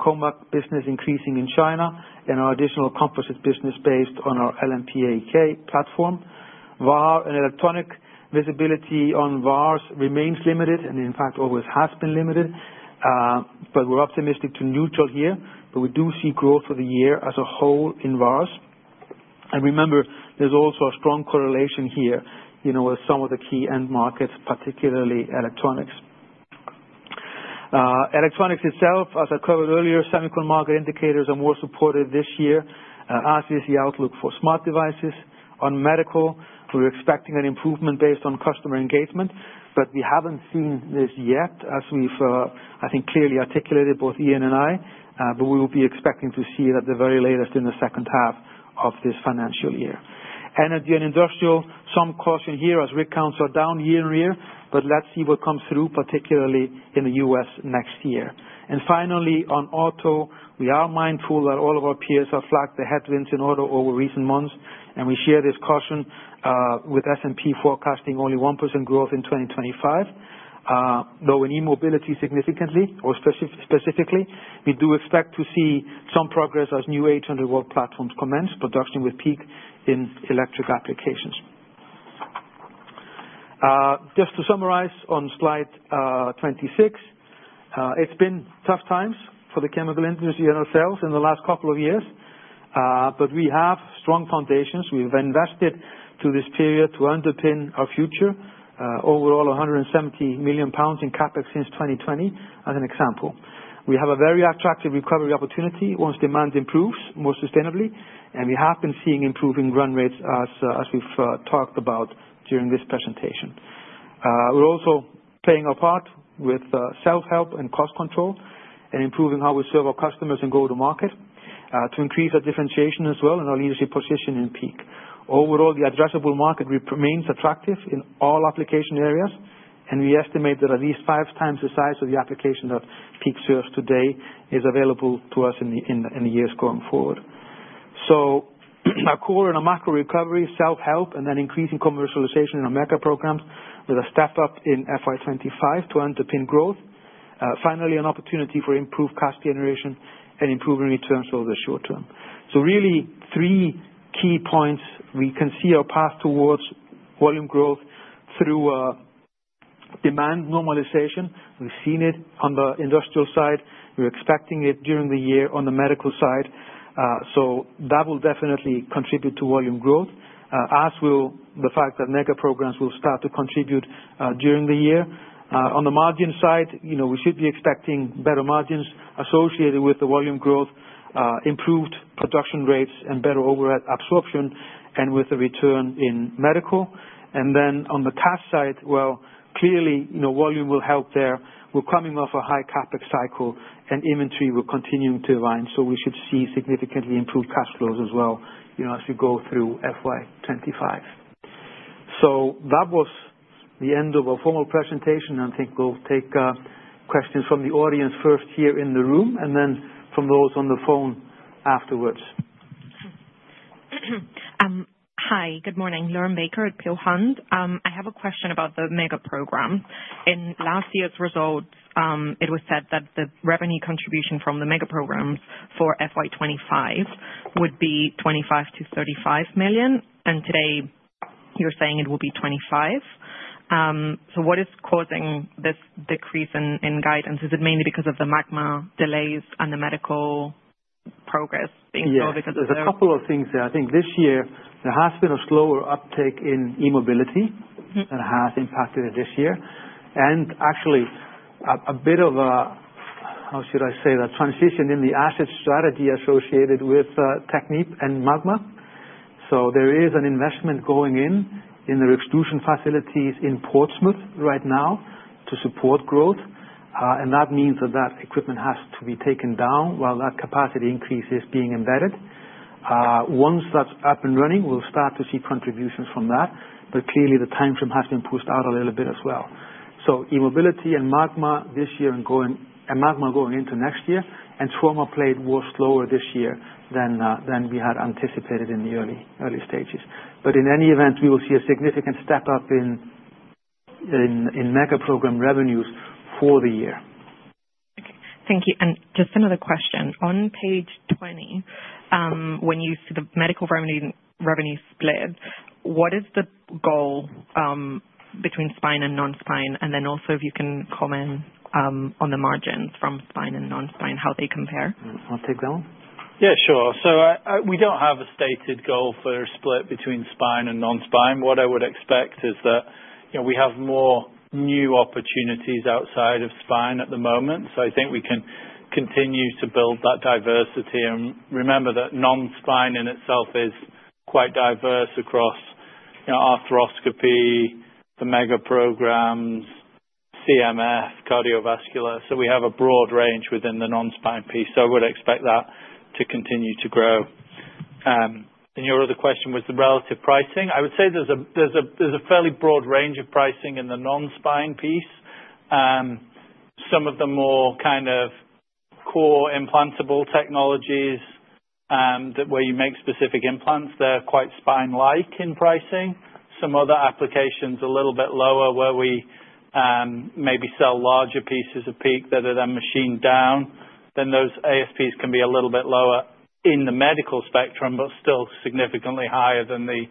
COMAC business increasing in China, and our additional composite business based on our LMPAEK platform. VAR and electronics visibility on VARs remains limited and in fact always has been limited, but we're optimistic to neutral here, but we do see growth for the year as a whole in VARs. And remember, there's also a strong correlation here with some of the key end markets, particularly electronics. Electronics itself, as I covered earlier, semiconductor indicators are more supportive this year as is the outlook for smart devices. On medical, we're expecting an improvement based on customer engagement, but we haven't seen this yet as we've, I think, clearly articulated both Ian and I, but we will be expecting to see that the very latest in the second half of this financial year. Energy and industrial, some caution here as rig counts are down year-on-year, but let's see what comes through, particularly in the U.S. next year. Finally, on auto, we are mindful that all of our peers have flagged the headwinds in auto over recent months, and we share this caution with S&P forecasting only 1% growth in 2025. Though in e-mobility significantly or specifically, we do expect to see some progress as new 800V platforms commence production with PEEK in electric applications. Just to summarize on slide 26, it's been tough times for the chemical industry and ourselves in the last couple of years, but we have strong foundations. We've invested through this period to underpin our future, overall 170 million pounds in CapEx since 2020 as an example. We have a very attractive recovery opportunity once demand improves more sustainably, and we have been seeing improving run rates as we've talked about during this presentation. We're also playing our part with self-help and cost control and improving how we serve our customers and go to market to increase our differentiation as well and our leadership position in PEEK. Overall, the addressable market remains attractive in all application areas, and we estimate that at least five times the size of the application that PEEK serves today is available to us in the years going forward. So a core and a macro recovery, self-help, and then increasing commercialization in our mega programs with a step up in FY 2025 to underpin growth. Finally, an opportunity for improved cost generation and improving returns over the short term. So really three key points. We can see our path towards volume growth through demand normalization. We've seen it on the industrial side. We're expecting it during the year on the medical side. So that will definitely contribute to volume growth, as will the fact that mega programs will start to contribute during the year. On the margin side, we should be expecting better margins associated with the volume growth, improved production rates, and better overhead absorption, and with the return in medical. And then on the cash side, well, clearly volume will help there. We're coming off a high CapEx cycle, and inventory will continue to align, so we should see significantly improved cash flows as well as we go through FY 2025. So that was the end of our formal presentation. I think we'll take questions from the audience first here in the room and then from those on the phone afterwards. Hi, good morning. Lauren Baker at Peel Hunt. I have a question about the Magma program. In last year's results, it was said that the revenue contribution from the Magma programs for FY 2025 would be 25 million-35 million, and today you're saying it will be 25 million. So what is causing this decrease in guidance? Is it mainly because of the Magma delays and the medical progress being slow because of those? There's a couple of things there. I think this year there has been a slower uptake in e-mobility that has impacted it this year. Actually, a bit of a, how should I say that, transition in the asset strategy associated with Technip and Magma. So there is an investment going in in their extrusion facilities in Portsmouth right now to support growth, and that means that that equipment has to be taken down while that capacity increase is being embedded. Once that's up and running, we'll start to see contributions from that, but clearly the timeframe has been pushed out a little bit as well. So e-mobility and Magma this year and Magma going into next year, and trauma plate was slower this year than we had anticipated in the early stages. But in any event, we will see a significant step up in Magma program revenues for the year. Okay. Thank you. And just another question. On page 20, when you see the medical revenue split, what is the goal between spine and non-spine, and then also if you can comment on the margins from spine and non-spine, how they compare? I'll take that one. Yeah, sure. So we don't have a stated goal for a split between spine and non-spine. What I would expect is that we have more new opportunities outside of spine at the moment, so I think we can continue to build that diversity. And remember that non-spine in itself is quite diverse across arthroscopy, the mega programs, CMF, cardiovascular. So we have a broad range within the non-spine piece, so I would expect that to continue to grow. And your other question was the relative pricing. I would say there's a fairly broad range of pricing in the non-spine piece. Some of the more kind of core implantable technologies where you make specific implants, they're quite spine-like in pricing. Some other applications a little bit lower where we maybe sell larger pieces of PEEK that are then machined down. Then those ASPs can be a little bit lower in the medical spectrum, but still significantly higher than the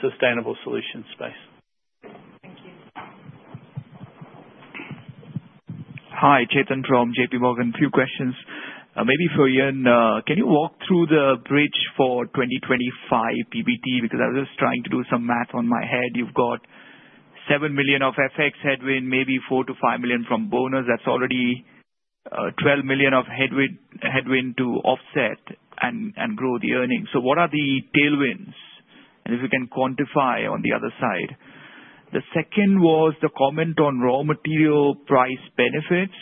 sustainable solution space. Thank you. Hi, Chetan Udeshi from JPMorgan. Few questions. Maybe for Ian, can you walk through the bridge for 2025 PBT? Because I was just trying to do some math in my head. You've got 7 million of FX headwind, maybe 4 million-5 million from bonus. That's already 12 million of headwind to offset and grow the earnings. So what are the tailwinds? And if we can quantify on the other side. The second was the comment on raw material price benefits.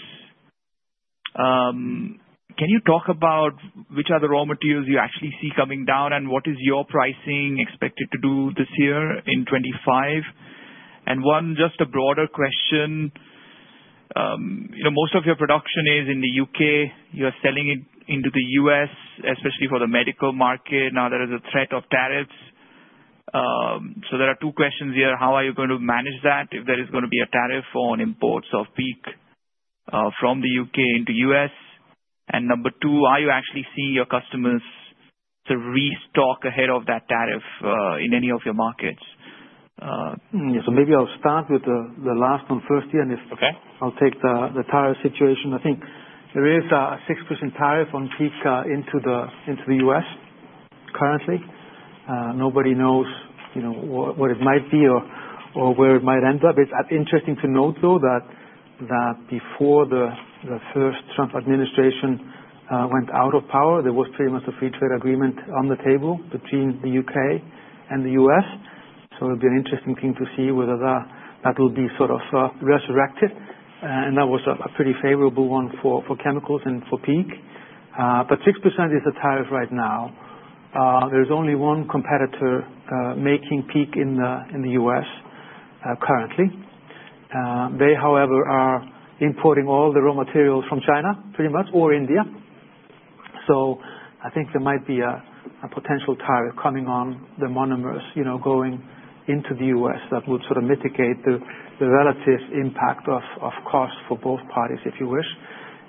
Can you talk about which are the raw materials you actually see coming down, and what is your pricing expected to do this year in 2025? And one, just a broader question. Most of your production is in the U.K. You're selling it into the U.S., especially for the medical market. Now there is a threat of tariffs. So there are two questions here. How are you going to manage that if there is going to be a tariff on imports of PEEK from the U.K. into U.S.? And number two, are you actually seeing your customers restock ahead of that tariff in any of your markets? So maybe I'll start with the last one first here, and I'll take the tariff situation. I think there is a 6% tariff on PEEK into the U.S. currently. Nobody knows what it might be or where it might end up. It's interesting to note, though, that before the first Trump administration went out of power, there was pretty much a free trade agreement on the table between the U.K. and the U.S. So it would be an interesting thing to see whether that will be sort of resurrected. And that was a pretty favorable one for chemicals and for PEEK. But 6% is the tariff right now. There's only one competitor making PEEK in the U.S. currently. They, however, are importing all the raw materials from China, pretty much, or India. So I think there might be a potential tariff coming on the monomers going into the U.S. that would sort of mitigate the relative impact of cost for both parties, if you wish.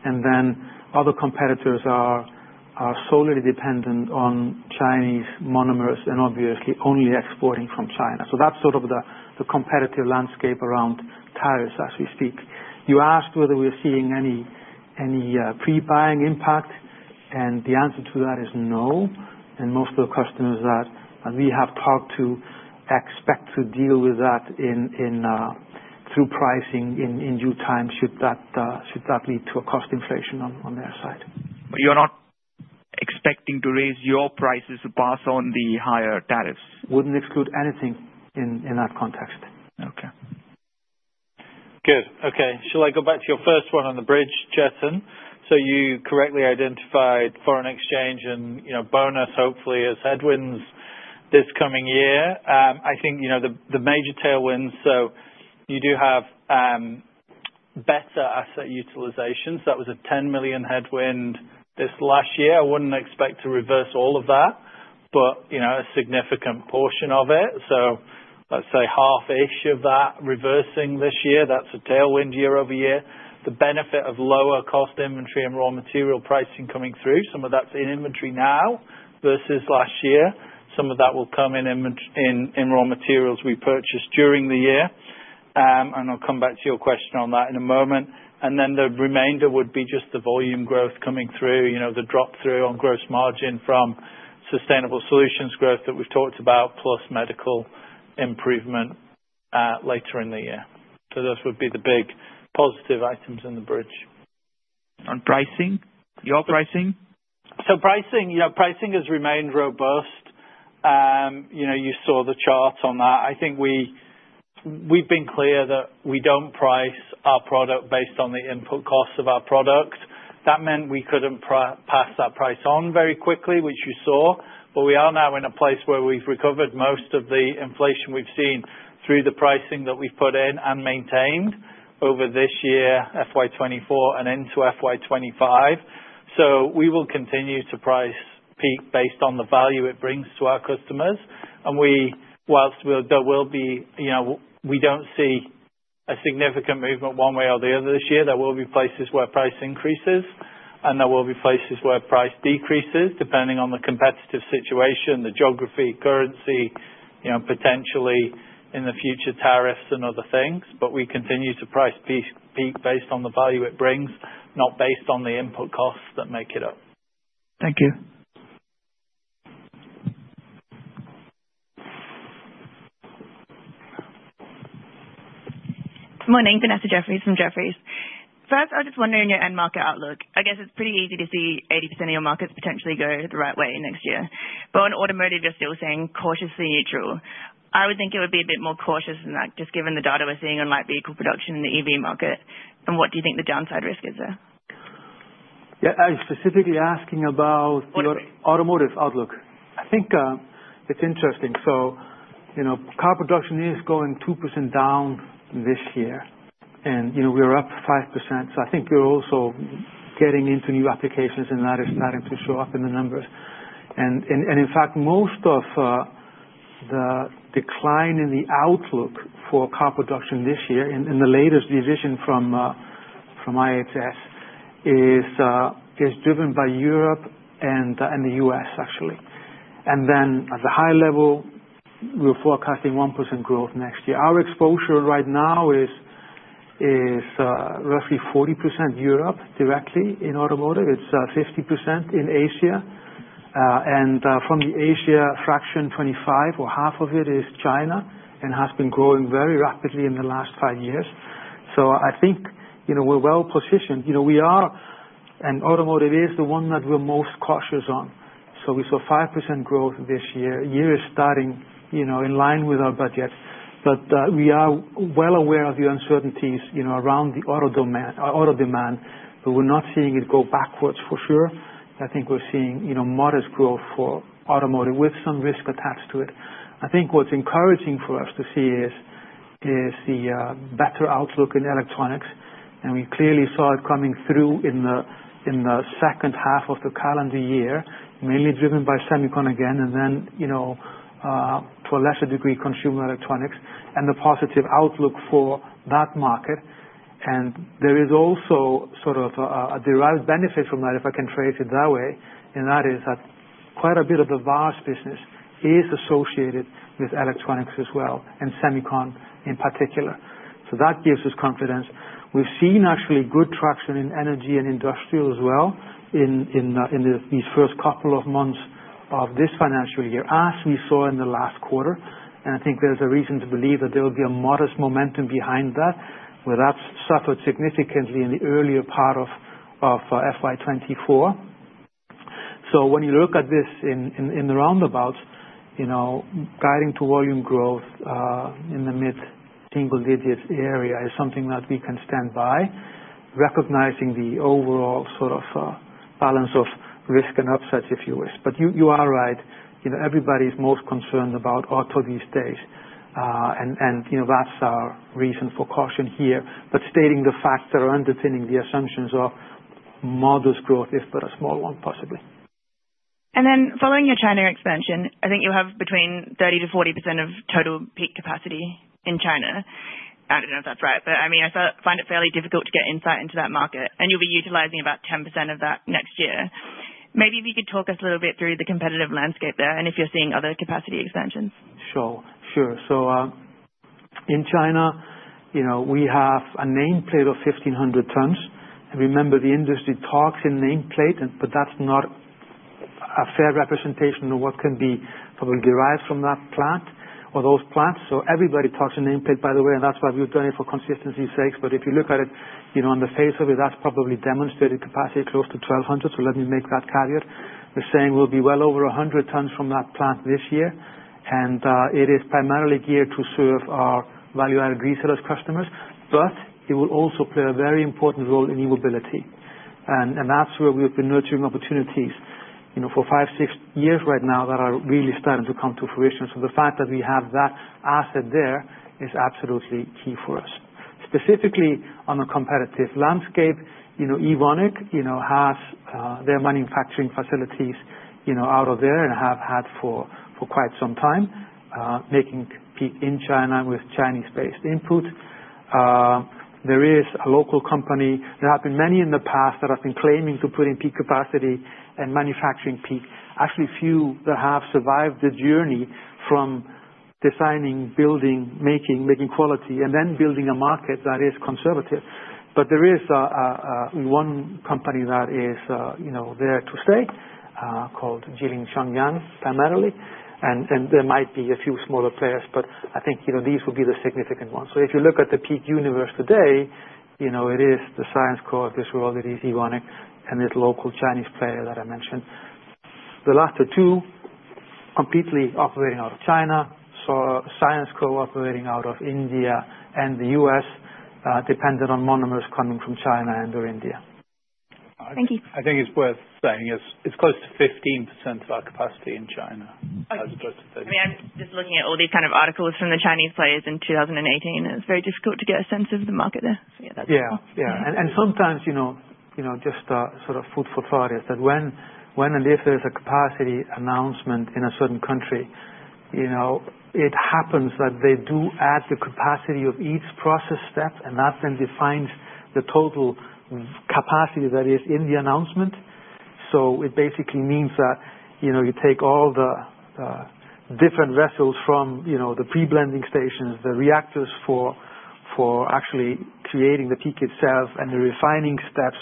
And then other competitors are solely dependent on Chinese monomers and obviously only exporting from China. So that's sort of the competitive landscape around tariffs as we speak. You asked whether we're seeing any pre-buying impact, and the answer to that is no. And most of the customers that we have talked to expect to deal with that through pricing in due time should that lead to a cost inflation on their side. But you're not expecting to raise your prices to pass on the higher tariffs? Wouldn't exclude anything in that context. Okay. Good. Okay. Shall I go back to your first one on the bridge, Chetan? So you correctly identified foreign exchange and bonus, hopefully, as headwinds this coming year. I think the major tailwinds, so you do have better asset utilization. So that was a 10 million headwind this last year. I wouldn't expect to reverse all of that, but a significant portion of it. So let's say half-ish of that reversing this year. That's a tailwind year-over-year. The benefit of lower cost inventory and raw material pricing coming through. Some of that's in inventory now versus last year. Some of that will come in raw materials we purchase during the year. And I'll come back to your question on that in a moment. And then the remainder would be just the volume growth coming through, the drop through on gross margin from sustainable solutions growth that we've talked about, plus medical improvement later in the year. So those would be the big positive items on the bridge. On pricing? Your pricing? So pricing has remained robust. You saw the chart on that. I think we've been clear that we don't price our product based on the input costs of our product. That meant we couldn't pass that price on very quickly, which you saw. But we are now in a place where we've recovered most of the inflation we've seen through the pricing that we've put in and maintained over this year, FY 2024 and into FY 2025. So we will continue to price PEEK based on the value it brings to our customers. And while there will be, we don't see a significant movement one way or the other this year. There will be places where price increases, and there will be places where price decreases depending on the competitive situation, the geography, currency, potentially in the future tariffs and other things. But we continue to price PEEK based on the value it brings, not based on the input costs that make it up. Thank you. Good morning. Vanessa Jefferies from Jefferies. First, I was just wondering your end market outlook. I guess it's pretty easy to see 80% of your markets potentially go the right way next year. But on automotive, you're still saying cautiously neutral. I would think it would be a bit more cautious than that, just given the data we're seeing on light vehicle production and the EV market. And what do you think the downside risk is there? Yeah. I was specifically asking about your automotive outlook. I think it's interesting. So car production is going 2% down this year, and we're up 5%. So I think we're also getting into new applications, and that is starting to show up in the numbers. And in fact, most of the decline in the outlook for car production this year in the latest revision from IHS is driven by Europe and the U.S., actually. And then at the high level, we're forecasting 1% growth next year. Our exposure right now is roughly 40% in Europe directly in automotive. It's 50% in Asia, and from the Asia fraction, 25 or half of it is China and has been growing very rapidly in the last five years, so I think we're well positioned. We are, and automotive is the one that we're most cautious on, so we saw 5% growth this year. The year is starting in line with our budget, but we are well aware of the uncertainties around the auto demand, but we're not seeing it go backwards for sure. I think we're seeing modest growth for automotive with some risk attached to it. I think what's encouraging for us to see is the better outlook in electronics. And we clearly saw it coming through in the second half of the calendar year, mainly driven by Semicon again, and then to a lesser degree, consumer electronics, and the positive outlook for that market. And there is also sort of a derived benefit from that, if I can phrase it that way. And that is that quite a bit of the VARs business is associated with electronics as well, and Semicon in particular. So that gives us confidence. We've seen actually good traction in energy and industrial as well in these first couple of months of this financial year, as we saw in the last quarter. And I think there's a reason to believe that there will be a modest momentum behind that, where that suffered significantly in the earlier part of FY 2024. So when you look at this in the roundabouts, guiding to volume growth in the mid-single-digit area is something that we can stand by, recognizing the overall sort of balance of risk and upsides, if you wish. But you are right. Everybody's most concerned about auto these days, and that's our reason for caution here. But stating the facts that are underpinning the assumptions of modest growth, if but a small one, possibly. And then following your China expansion, I think you have between 30% to 40% of total PEEK capacity in China. I don't know if that's right, but I mean, I find it fairly difficult to get insight into that market. And you'll be utilizing about 10% of that next year. Maybe if you could talk us a little bit through the competitive landscape there and if you're seeing other capacity expansions. Sure. Sure. So in China, we have a nameplate of 1,500 tons. And remember, the industry talks in nameplate, but that's not a fair representation of what can be probably derived from that plant or those plants. So everybody talks in nameplate, by the way, and that's why we've done it for consistency's sake. But if you look at it on the face of it, that's probably demonstrated capacity close to 1,200. So let me make that caveat. We're saying we'll be well over 100 tons from that plant this year. And it is primarily geared to serve our value-added resellers' customers, but it will also play a very important role in mobility. And that's where we've been nurturing opportunities for five, six years right now that are really starting to come to fruition. So the fact that we have that asset there is absolutely key for us. Specifically on a competitive landscape, Evonik has their manufacturing facilities out of there and have had for quite some time, making PEEK in China with Chinese-based input. There is a local company. There have been many in the past that have been claiming to put in PEEK capacity and manufacturing PEEK. Actually, few that have survived the journey from designing, building, making, making quality, and then building a market that is conservative. But there is one company that is there to stay called Jilin Zhongyan, primarily. And there might be a few smaller players, but I think these would be the significant ones. So if you look at the PEEK universe today, it is the Syensqo of this world. It is Evonik and this local Chinese player that I mentioned. The last two are completely operating out of China. Syensqo operating out of India and the U.S., dependent on monomers coming from China and/or India. Thank you. I think it's worth saying it's close to 15% of our capacity in China. I mean, I'm just looking at all these kind of articles from the Chinese players in 2018. It's very difficult to get a sense of the market there. So yeah, that's important. Yeah. Yeah. And sometimes just sort of food for thought is that when and if there's a capacity announcement in a certain country, it happens that they do add the capacity of each process step, and that then defines the total capacity that is in the announcement. So it basically means that you take all the different vessels from the pre-blending stations, the reactors for actually creating the PEEK itself, and the refining steps,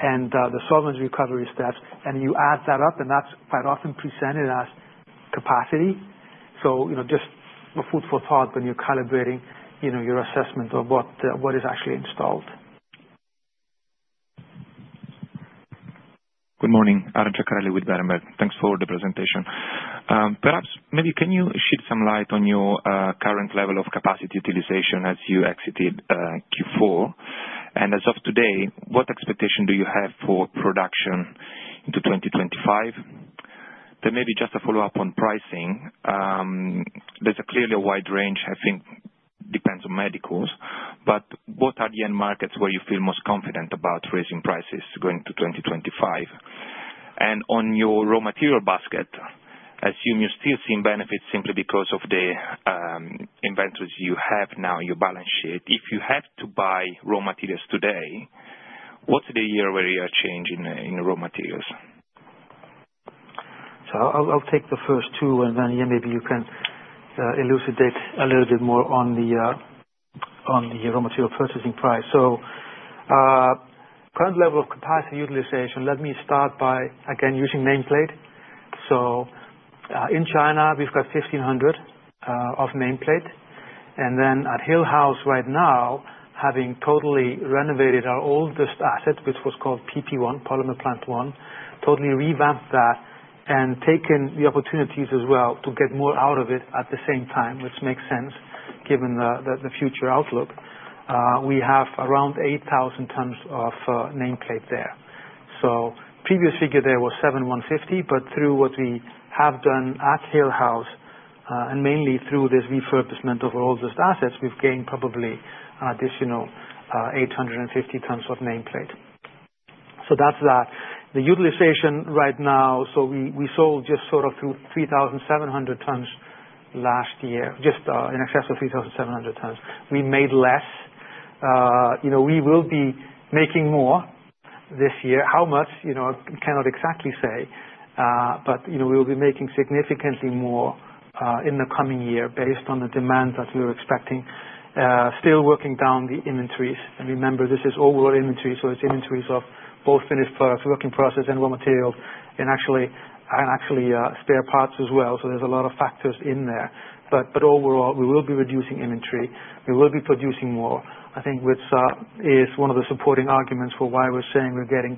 and the solvent recovery steps, and you add that up, and that's quite often presented as capacity. So just a food for thought when you're calibrating your assessment of what is actually installed. Good morning. Arantxa Ehmer with Berenberg. Thanks for the presentation. Perhaps maybe can you shed some light on your current level of capacity utilization as you exited Q4? And as of today, what expectation do you have for production into 2025? Then maybe just a follow-up on pricing. There's clearly a wide range, I think, depends on medicals. But what are the end markets where you feel most confident about raising prices going into 2025? And on your raw material basket, assume you're still seeing benefits simply because of the inventories you have now in your balance sheet. If you had to buy raw materials today, what's the year-over-year change in raw materials? So I'll take the first two, and then yeah, maybe you can elucidate a little bit more on the raw material purchasing price. So current level of capacity utilization, let me start by, again, using nameplate. So in China, we've got 1,500 of nameplate. And then at Hillhouse right now, having totally renovated our oldest asset, which was called PP1, Polymer Plant 1, totally revamped that and taken the opportunities as well to get more out of it at the same time, which makes sense given the future outlook. We have around 8,000 tons of nameplate there. Previous figure there was 7,150, but through what we have done at Hillhouse and mainly through this refurbishment of our oldest assets, we've gained probably an additional 850 tons of nameplate. That's that. The utilization right now, we sold just sort of 3,700 tons last year, just in excess of 3,700 tons. We made less. We will be making more this year. How much? I cannot exactly say. We will be making significantly more in the coming year based on the demand that we're expecting. Still working down the inventories. Remember, this is overall inventory, so it's inventories of both finished products, work in process, and raw materials, and actually spare parts as well. There's a lot of factors in there. Overall, we will be reducing inventory. We will be producing more. I think is one of the supporting arguments for why we're saying we're getting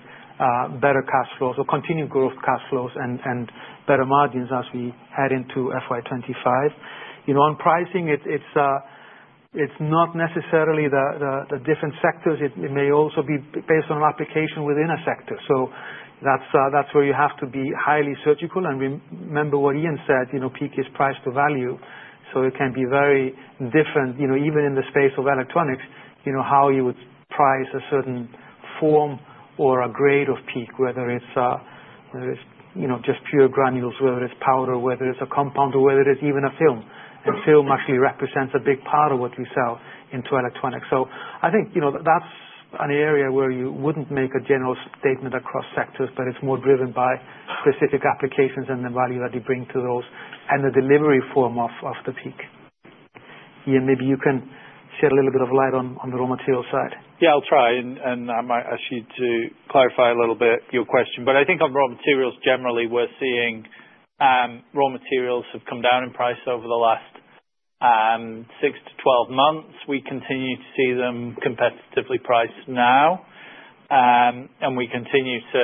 better cash flows, or continued growth cash flows, and better margins as we head into FY 2025. On pricing, it's not necessarily the different sectors. It may also be based on application within a sector. So that's where you have to be highly surgical. And remember what Ian said, PEEK is price to value. So it can be very different, even in the space of electronics, how you would price a certain form or a grade of PEEK, whether it's just pure granules, whether it's powder, whether it's a compound, or whether it's even a film. And film actually represents a big part of what we sell into electronics. So I think that's an area where you wouldn't make a general statement across sectors, but it's more driven by specific applications and the value that you bring to those and the delivery form of the PEEK. Ian, maybe you can shed a little bit of light on the raw material side. Yeah, I'll try. And I might actually clarify a little bit your question. But I think on raw materials generally, we're seeing raw materials have come down in price over the last six to 12 months. We continue to see them competitively priced now. And we continue to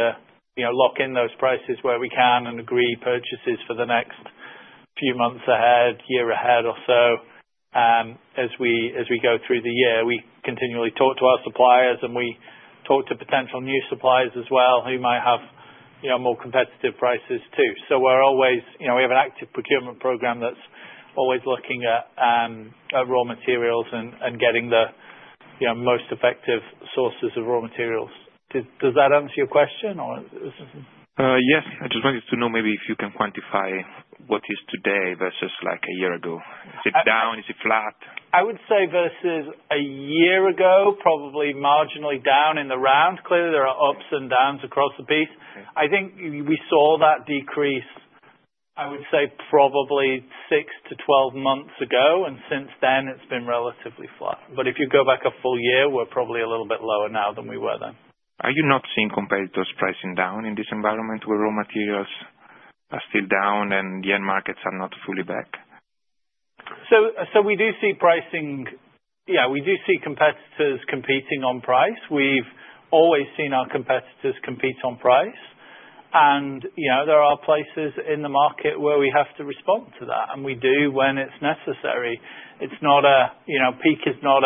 lock in those prices where we can and agree purchases for the next few months ahead, year ahead or so. As we go through the year, we continually talk to our suppliers, and we talk to potential new suppliers as well who might have more competitive prices too. So we have an active procurement program that's always looking at raw materials and getting the most effective sources of raw materials. Does that answer your question? Yes. I just wanted to know maybe if you can quantify what is today versus a year ago. Is it down? Is it flat? I would say versus a year ago, probably marginally down in the round. Clearly, there are ups and downs across the piece. I think we saw that decrease, I would say, probably six to 12 months ago. And since then, it's been relatively flat. But if you go back a full year, we're probably a little bit lower now than we were then. Are you not seeing competitors pricing down in this environment where raw materials are still down and the end markets are not fully back? So we do see pricing. Yeah, we do see competitors competing on price. We've always seen our competitors compete on price. And there are places in the market where we have to respond to that. And we do when it's necessary. PEEK is not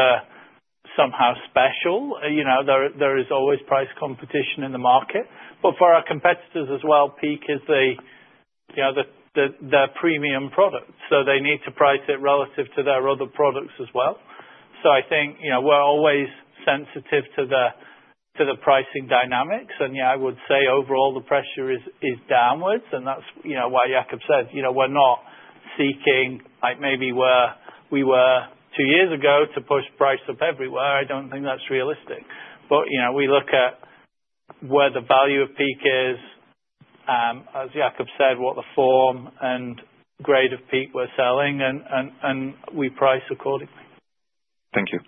somehow special. There is always price competition in the market. But for our competitors as well, PEEK is their premium product. So they need to price it relative to their other products as well. So I think we're always sensitive to the pricing dynamics. And yeah, I would say overall, the pressure is downwards. And that's why Jakob said we're not seeking like maybe we were two years ago to push price up everywhere. I don't think that's realistic. But we look at where the value of PEEK is, as Jakob said, what the form and grade of PEEK we're selling, and we price accordingly. Thank you.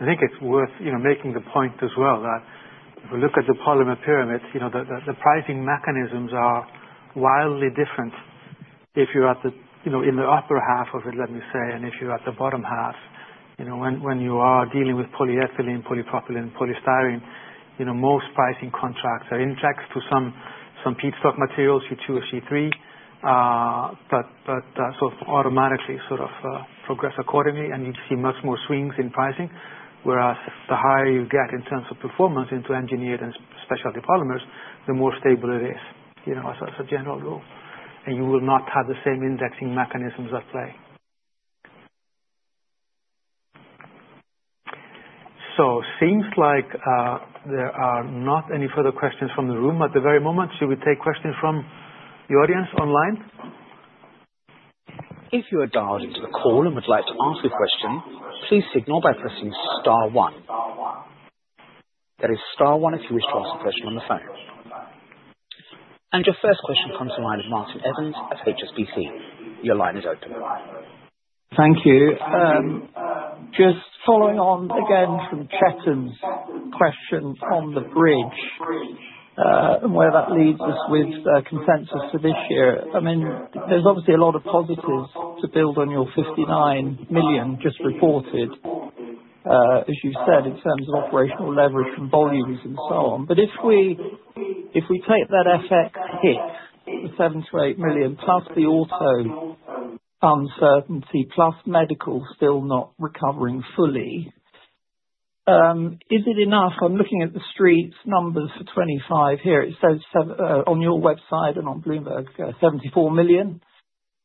I think it's worth making the point as well that if we look at the polymer pyramid, the pricing mechanisms are wildly different if you're in the upper half of it, let me say, and if you're at the bottom half. When you are dealing with polyethylene, polypropylene, and polystyrene, most pricing contracts are indexed to some feedstock materials, C2 or C3, but sort of automatically sort of progress accordingly, and you see much more swings in pricing, whereas the higher you get in terms of performance into engineered and specialty polymers, the more stable it is as a general rule, and you will not have the same indexing mechanisms at play, so it seems like there are not any further questions from the room at the very moment. Should we take questions from the audience online? If you are dialed into the call and would like to ask a question, please signal by pressing star one. That is star one if you wish to ask a question on the phone. Your first question comes from Martin Evans at HSBC. Your line is open. Thank you. Just following on again from Chetan's question on the bridge and where that leads us with consensus for this year. I mean, there's obviously a lot of positives to build on your 59 million just reported, as you've said, in terms of operational leverage and volumes and so on. But if we take that FX hit, the 7 million-8 million plus the auto uncertainty plus medical still not recovering fully, is it enough? I'm looking at the street numbers for '25 here. It says on your website and on Bloomberg, 74 million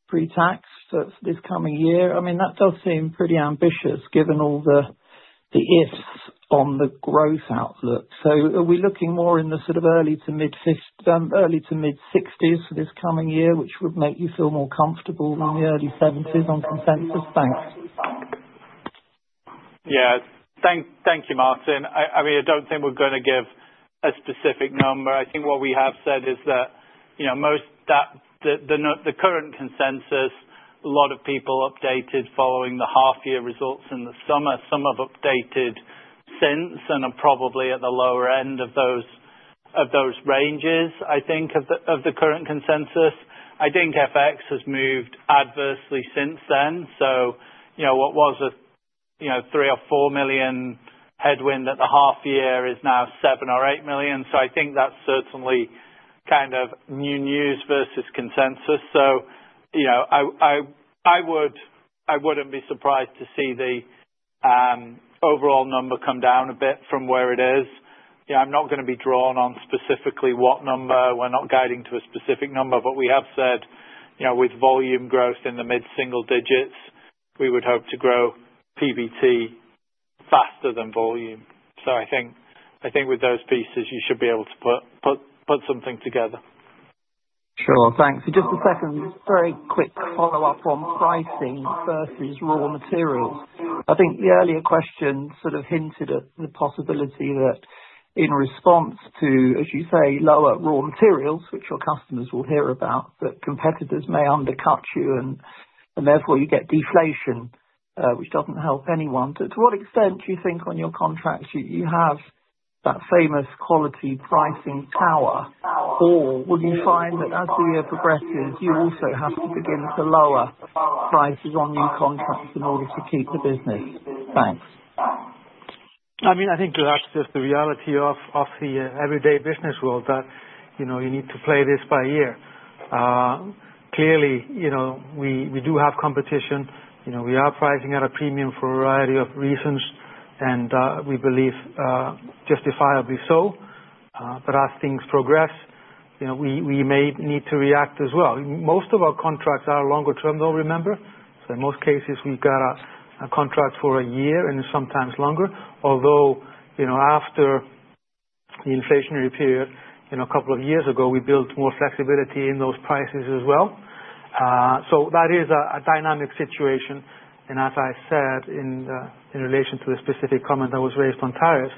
pre-tax for this coming year. I mean, that does seem pretty ambitious given all the ifs on the growth outlook. So are we looking more in the sort of early to mid-'60s for this coming year, which would make you feel more comfortable than the early '70s on consensus? Thanks. Yeah. Thank you, Martin. I mean, I don't think we're going to give a specific number. I think what we have said is that the current consensus, a lot of people updated following the half-year results in the summer. Some have updated since and are probably at the lower end of those ranges, I think, of the current consensus. I think FX has moved adversely since then. So what was a 3 million or 4 million headwind at the half-year is now 7 million or 8 million. So I think that's certainly kind of new news versus consensus. So I wouldn't be surprised to see the overall number come down a bit from where it is. I'm not going to be drawn on specifically what number. We're not guiding to a specific number. But we have said with volume growth in the mid-single digits, we would hope to grow PBT faster than volume. So I think with those pieces, you should be able to put something together. Sure. Thanks. Just a second, very quick follow-up on pricing versus raw materials. I think the earlier question sort of hinted at the possibility that in response to, as you say, lower raw materials, which your customers will hear about, that competitors may undercut you and therefore you get deflation, which doesn't help anyone. To what extent do you think on your contracts you have that famous quality pricing power? Or would you find that as the year progresses, you also have to begin to lower prices on new contracts in order to keep the business? Thanks. I mean, I think that's just the reality of the everyday business world that you need to play this by ear. Clearly, we do have competition. We are pricing at a premium for a variety of reasons, and we believe justifiably so. But as things progress, we may need to react as well. Most of our contracts are longer-term, though, remember. So in most cases, we've got a contract for a year and sometimes longer. Although after the inflationary period a couple of years ago, we built more flexibility in those prices as well. So that is a dynamic situation. As I said in relation to the specific comment that was raised on tariffs,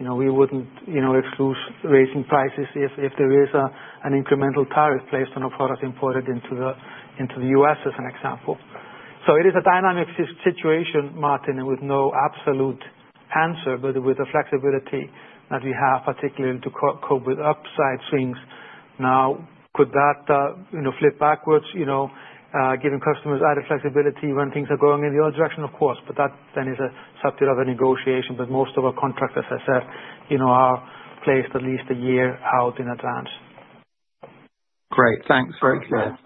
we wouldn't exclude raising prices if there is an incremental tariff placed on a product imported into the U.S., as an example. So it is a dynamic situation, Martin, and with no absolute answer, but with the flexibility that we have, particularly to cope with upside swings. Now, could that flip backwards, giving customers added flexibility when things are going in the other direction? Of course. But that then is a subject of a negotiation. But most of our contracts, as I said, are placed at least a year out in advance. Great. Thanks. Very clear.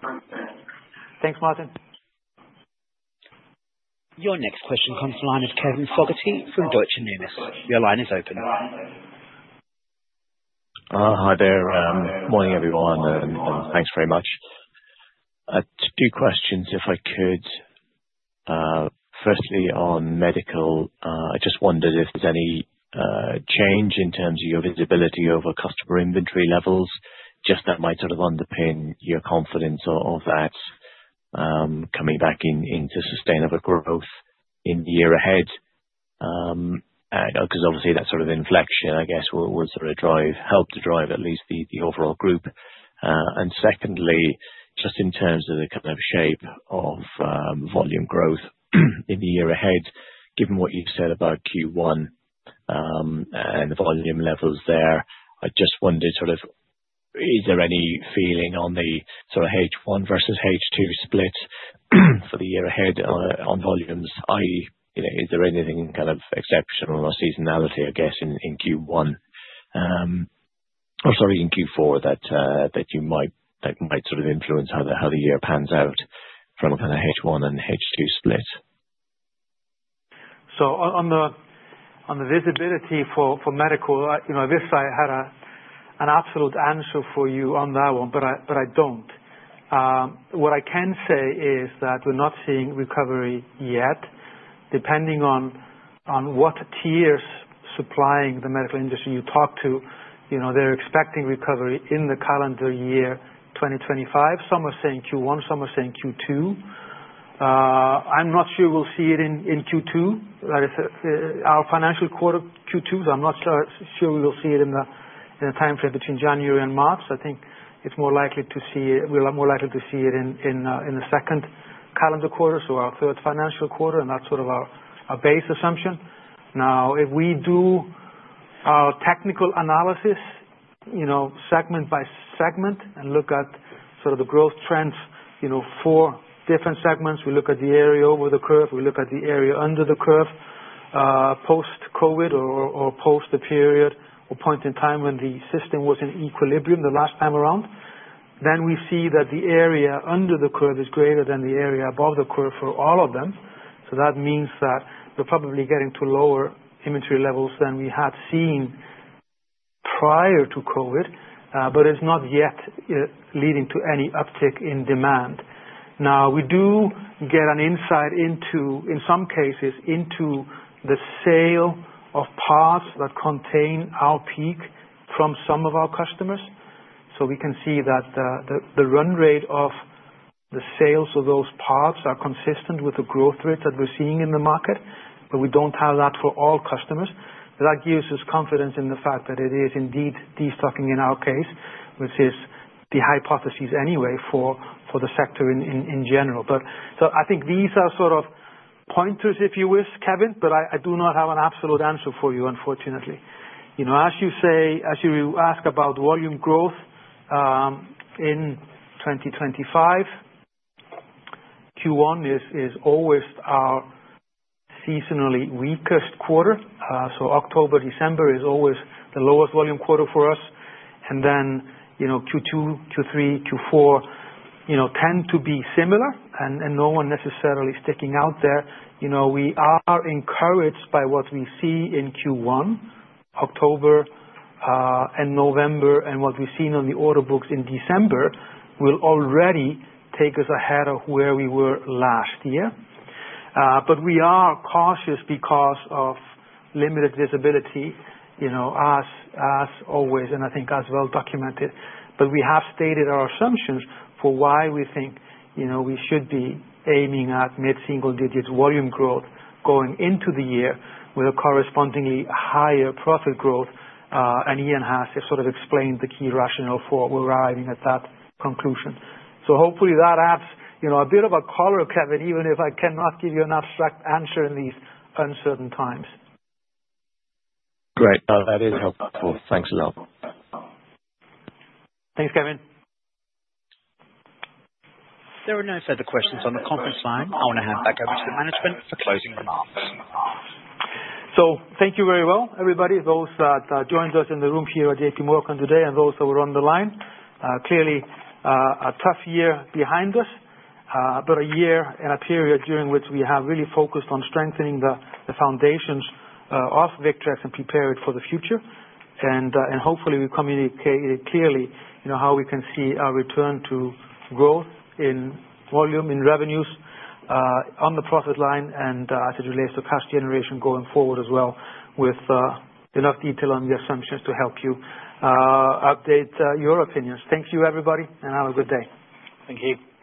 Thanks, Martin. Your next question comes from Kevin Fogarty from Deutsche Numis. Your line is open. Hi there. Morning, everyone. And thanks very much. Two questions, if I could. Firstly, on medical, I just wondered if there's any change in terms of your visibility over customer inventory levels, just that might sort of underpin your confidence of that coming back into sustainable growth in the year ahead? Because obviously, that sort of inflection, I guess, will sort of help to drive at least the overall group. And secondly, just in terms of the kind of shape of volume growth in the year ahead, given what you said about Q1 and the volume levels there, I just wondered sort of, is there any feeling on the sort of H1 versus H2 split for the year ahead on volumes? Is there anything kind of exceptional or seasonality, I guess, in Q1 or sorry, in Q4 that you might sort of influence how the year pans out from kind of H1 and H2 split? So on the visibility for medical, I wish I had an absolute answer for you on that one, but I don't. What I can say is that we're not seeing recovery yet. Depending on what tiers supplying the medical industry you talk to, they're expecting recovery in the calendar year 2025. Some are saying Q1. Some are saying Q2. I'm not sure we'll see it in Q2. That is our financial quarter, Q2. So I'm not sure we will see it in the timeframe between January and March. I think we're more likely to see it in the second calendar quarter or our third financial quarter. And that's sort of our base assumption. Now, if we do our technical analysis segment by segment and look at sort of the growth trends for different segments, we look at the area over the curve. We look at the area under the curve post-COVID or post the period or point in time when the system was in equilibrium the last time around. Then we see that the area under the curve is greater than the area above the curve for all of them. So that means that we're probably getting to lower inventory levels than we had seen prior to COVID, but it's not yet leading to any uptick in demand. Now, we do get an insight into, in some cases, into the sale of parts that contain our PEEK from some of our customers. So we can see that the run rate of the sales of those parts are consistent with the growth rate that we're seeing in the market. But we don't have that for all customers. That gives us confidence in the fact that it is indeed de-stocking in our case, which is the hypothesis anyway for the sector in general, so I think these are sort of pointers, if you wish, Kevin, but I do not have an absolute answer for you, unfortunately. As you ask about volume growth in 2025, Q1 is always our seasonally weakest quarter, so October, December is always the lowest volume quarter for us, and then Q2, Q3, Q4 tend to be similar, and no one necessarily sticking out there. We are encouraged by what we see in Q1, October and November, and what we've seen on the order books in December will already take us ahead of where we were last year, but we are cautious because of limited visibility, as always, and I think as well documented. But we have stated our assumptions for why we think we should be aiming at mid-single-digit volume growth going into the year with a correspondingly higher profit growth. And Ian has sort of explained the key rationale for why we're arriving at that conclusion. So hopefully, that adds a bit of a color, Kevin, even if I cannot give you an abstract answer in these uncertain times. Great. That is helpful. Thanks a lot. Thanks, Kevin. There are no further questions on the conference line. I want to hand back over to the management for closing remarks. So thank you very much, everybody, those that joined us in the room here at JPMorgan today and those that were on the line. Clearly, a tough year behind us, but a year and a period during which we have really focused on strengthening the foundations of Victrex and preparing for the future. And hopefully, we communicated clearly how we can see our return to growth in volume, in revenues, on the profit line, and as it relates to cash generation going forward as well with enough detail on the assumptions to help you update your opinions. Thank you, everybody, and have a good day. Thank you.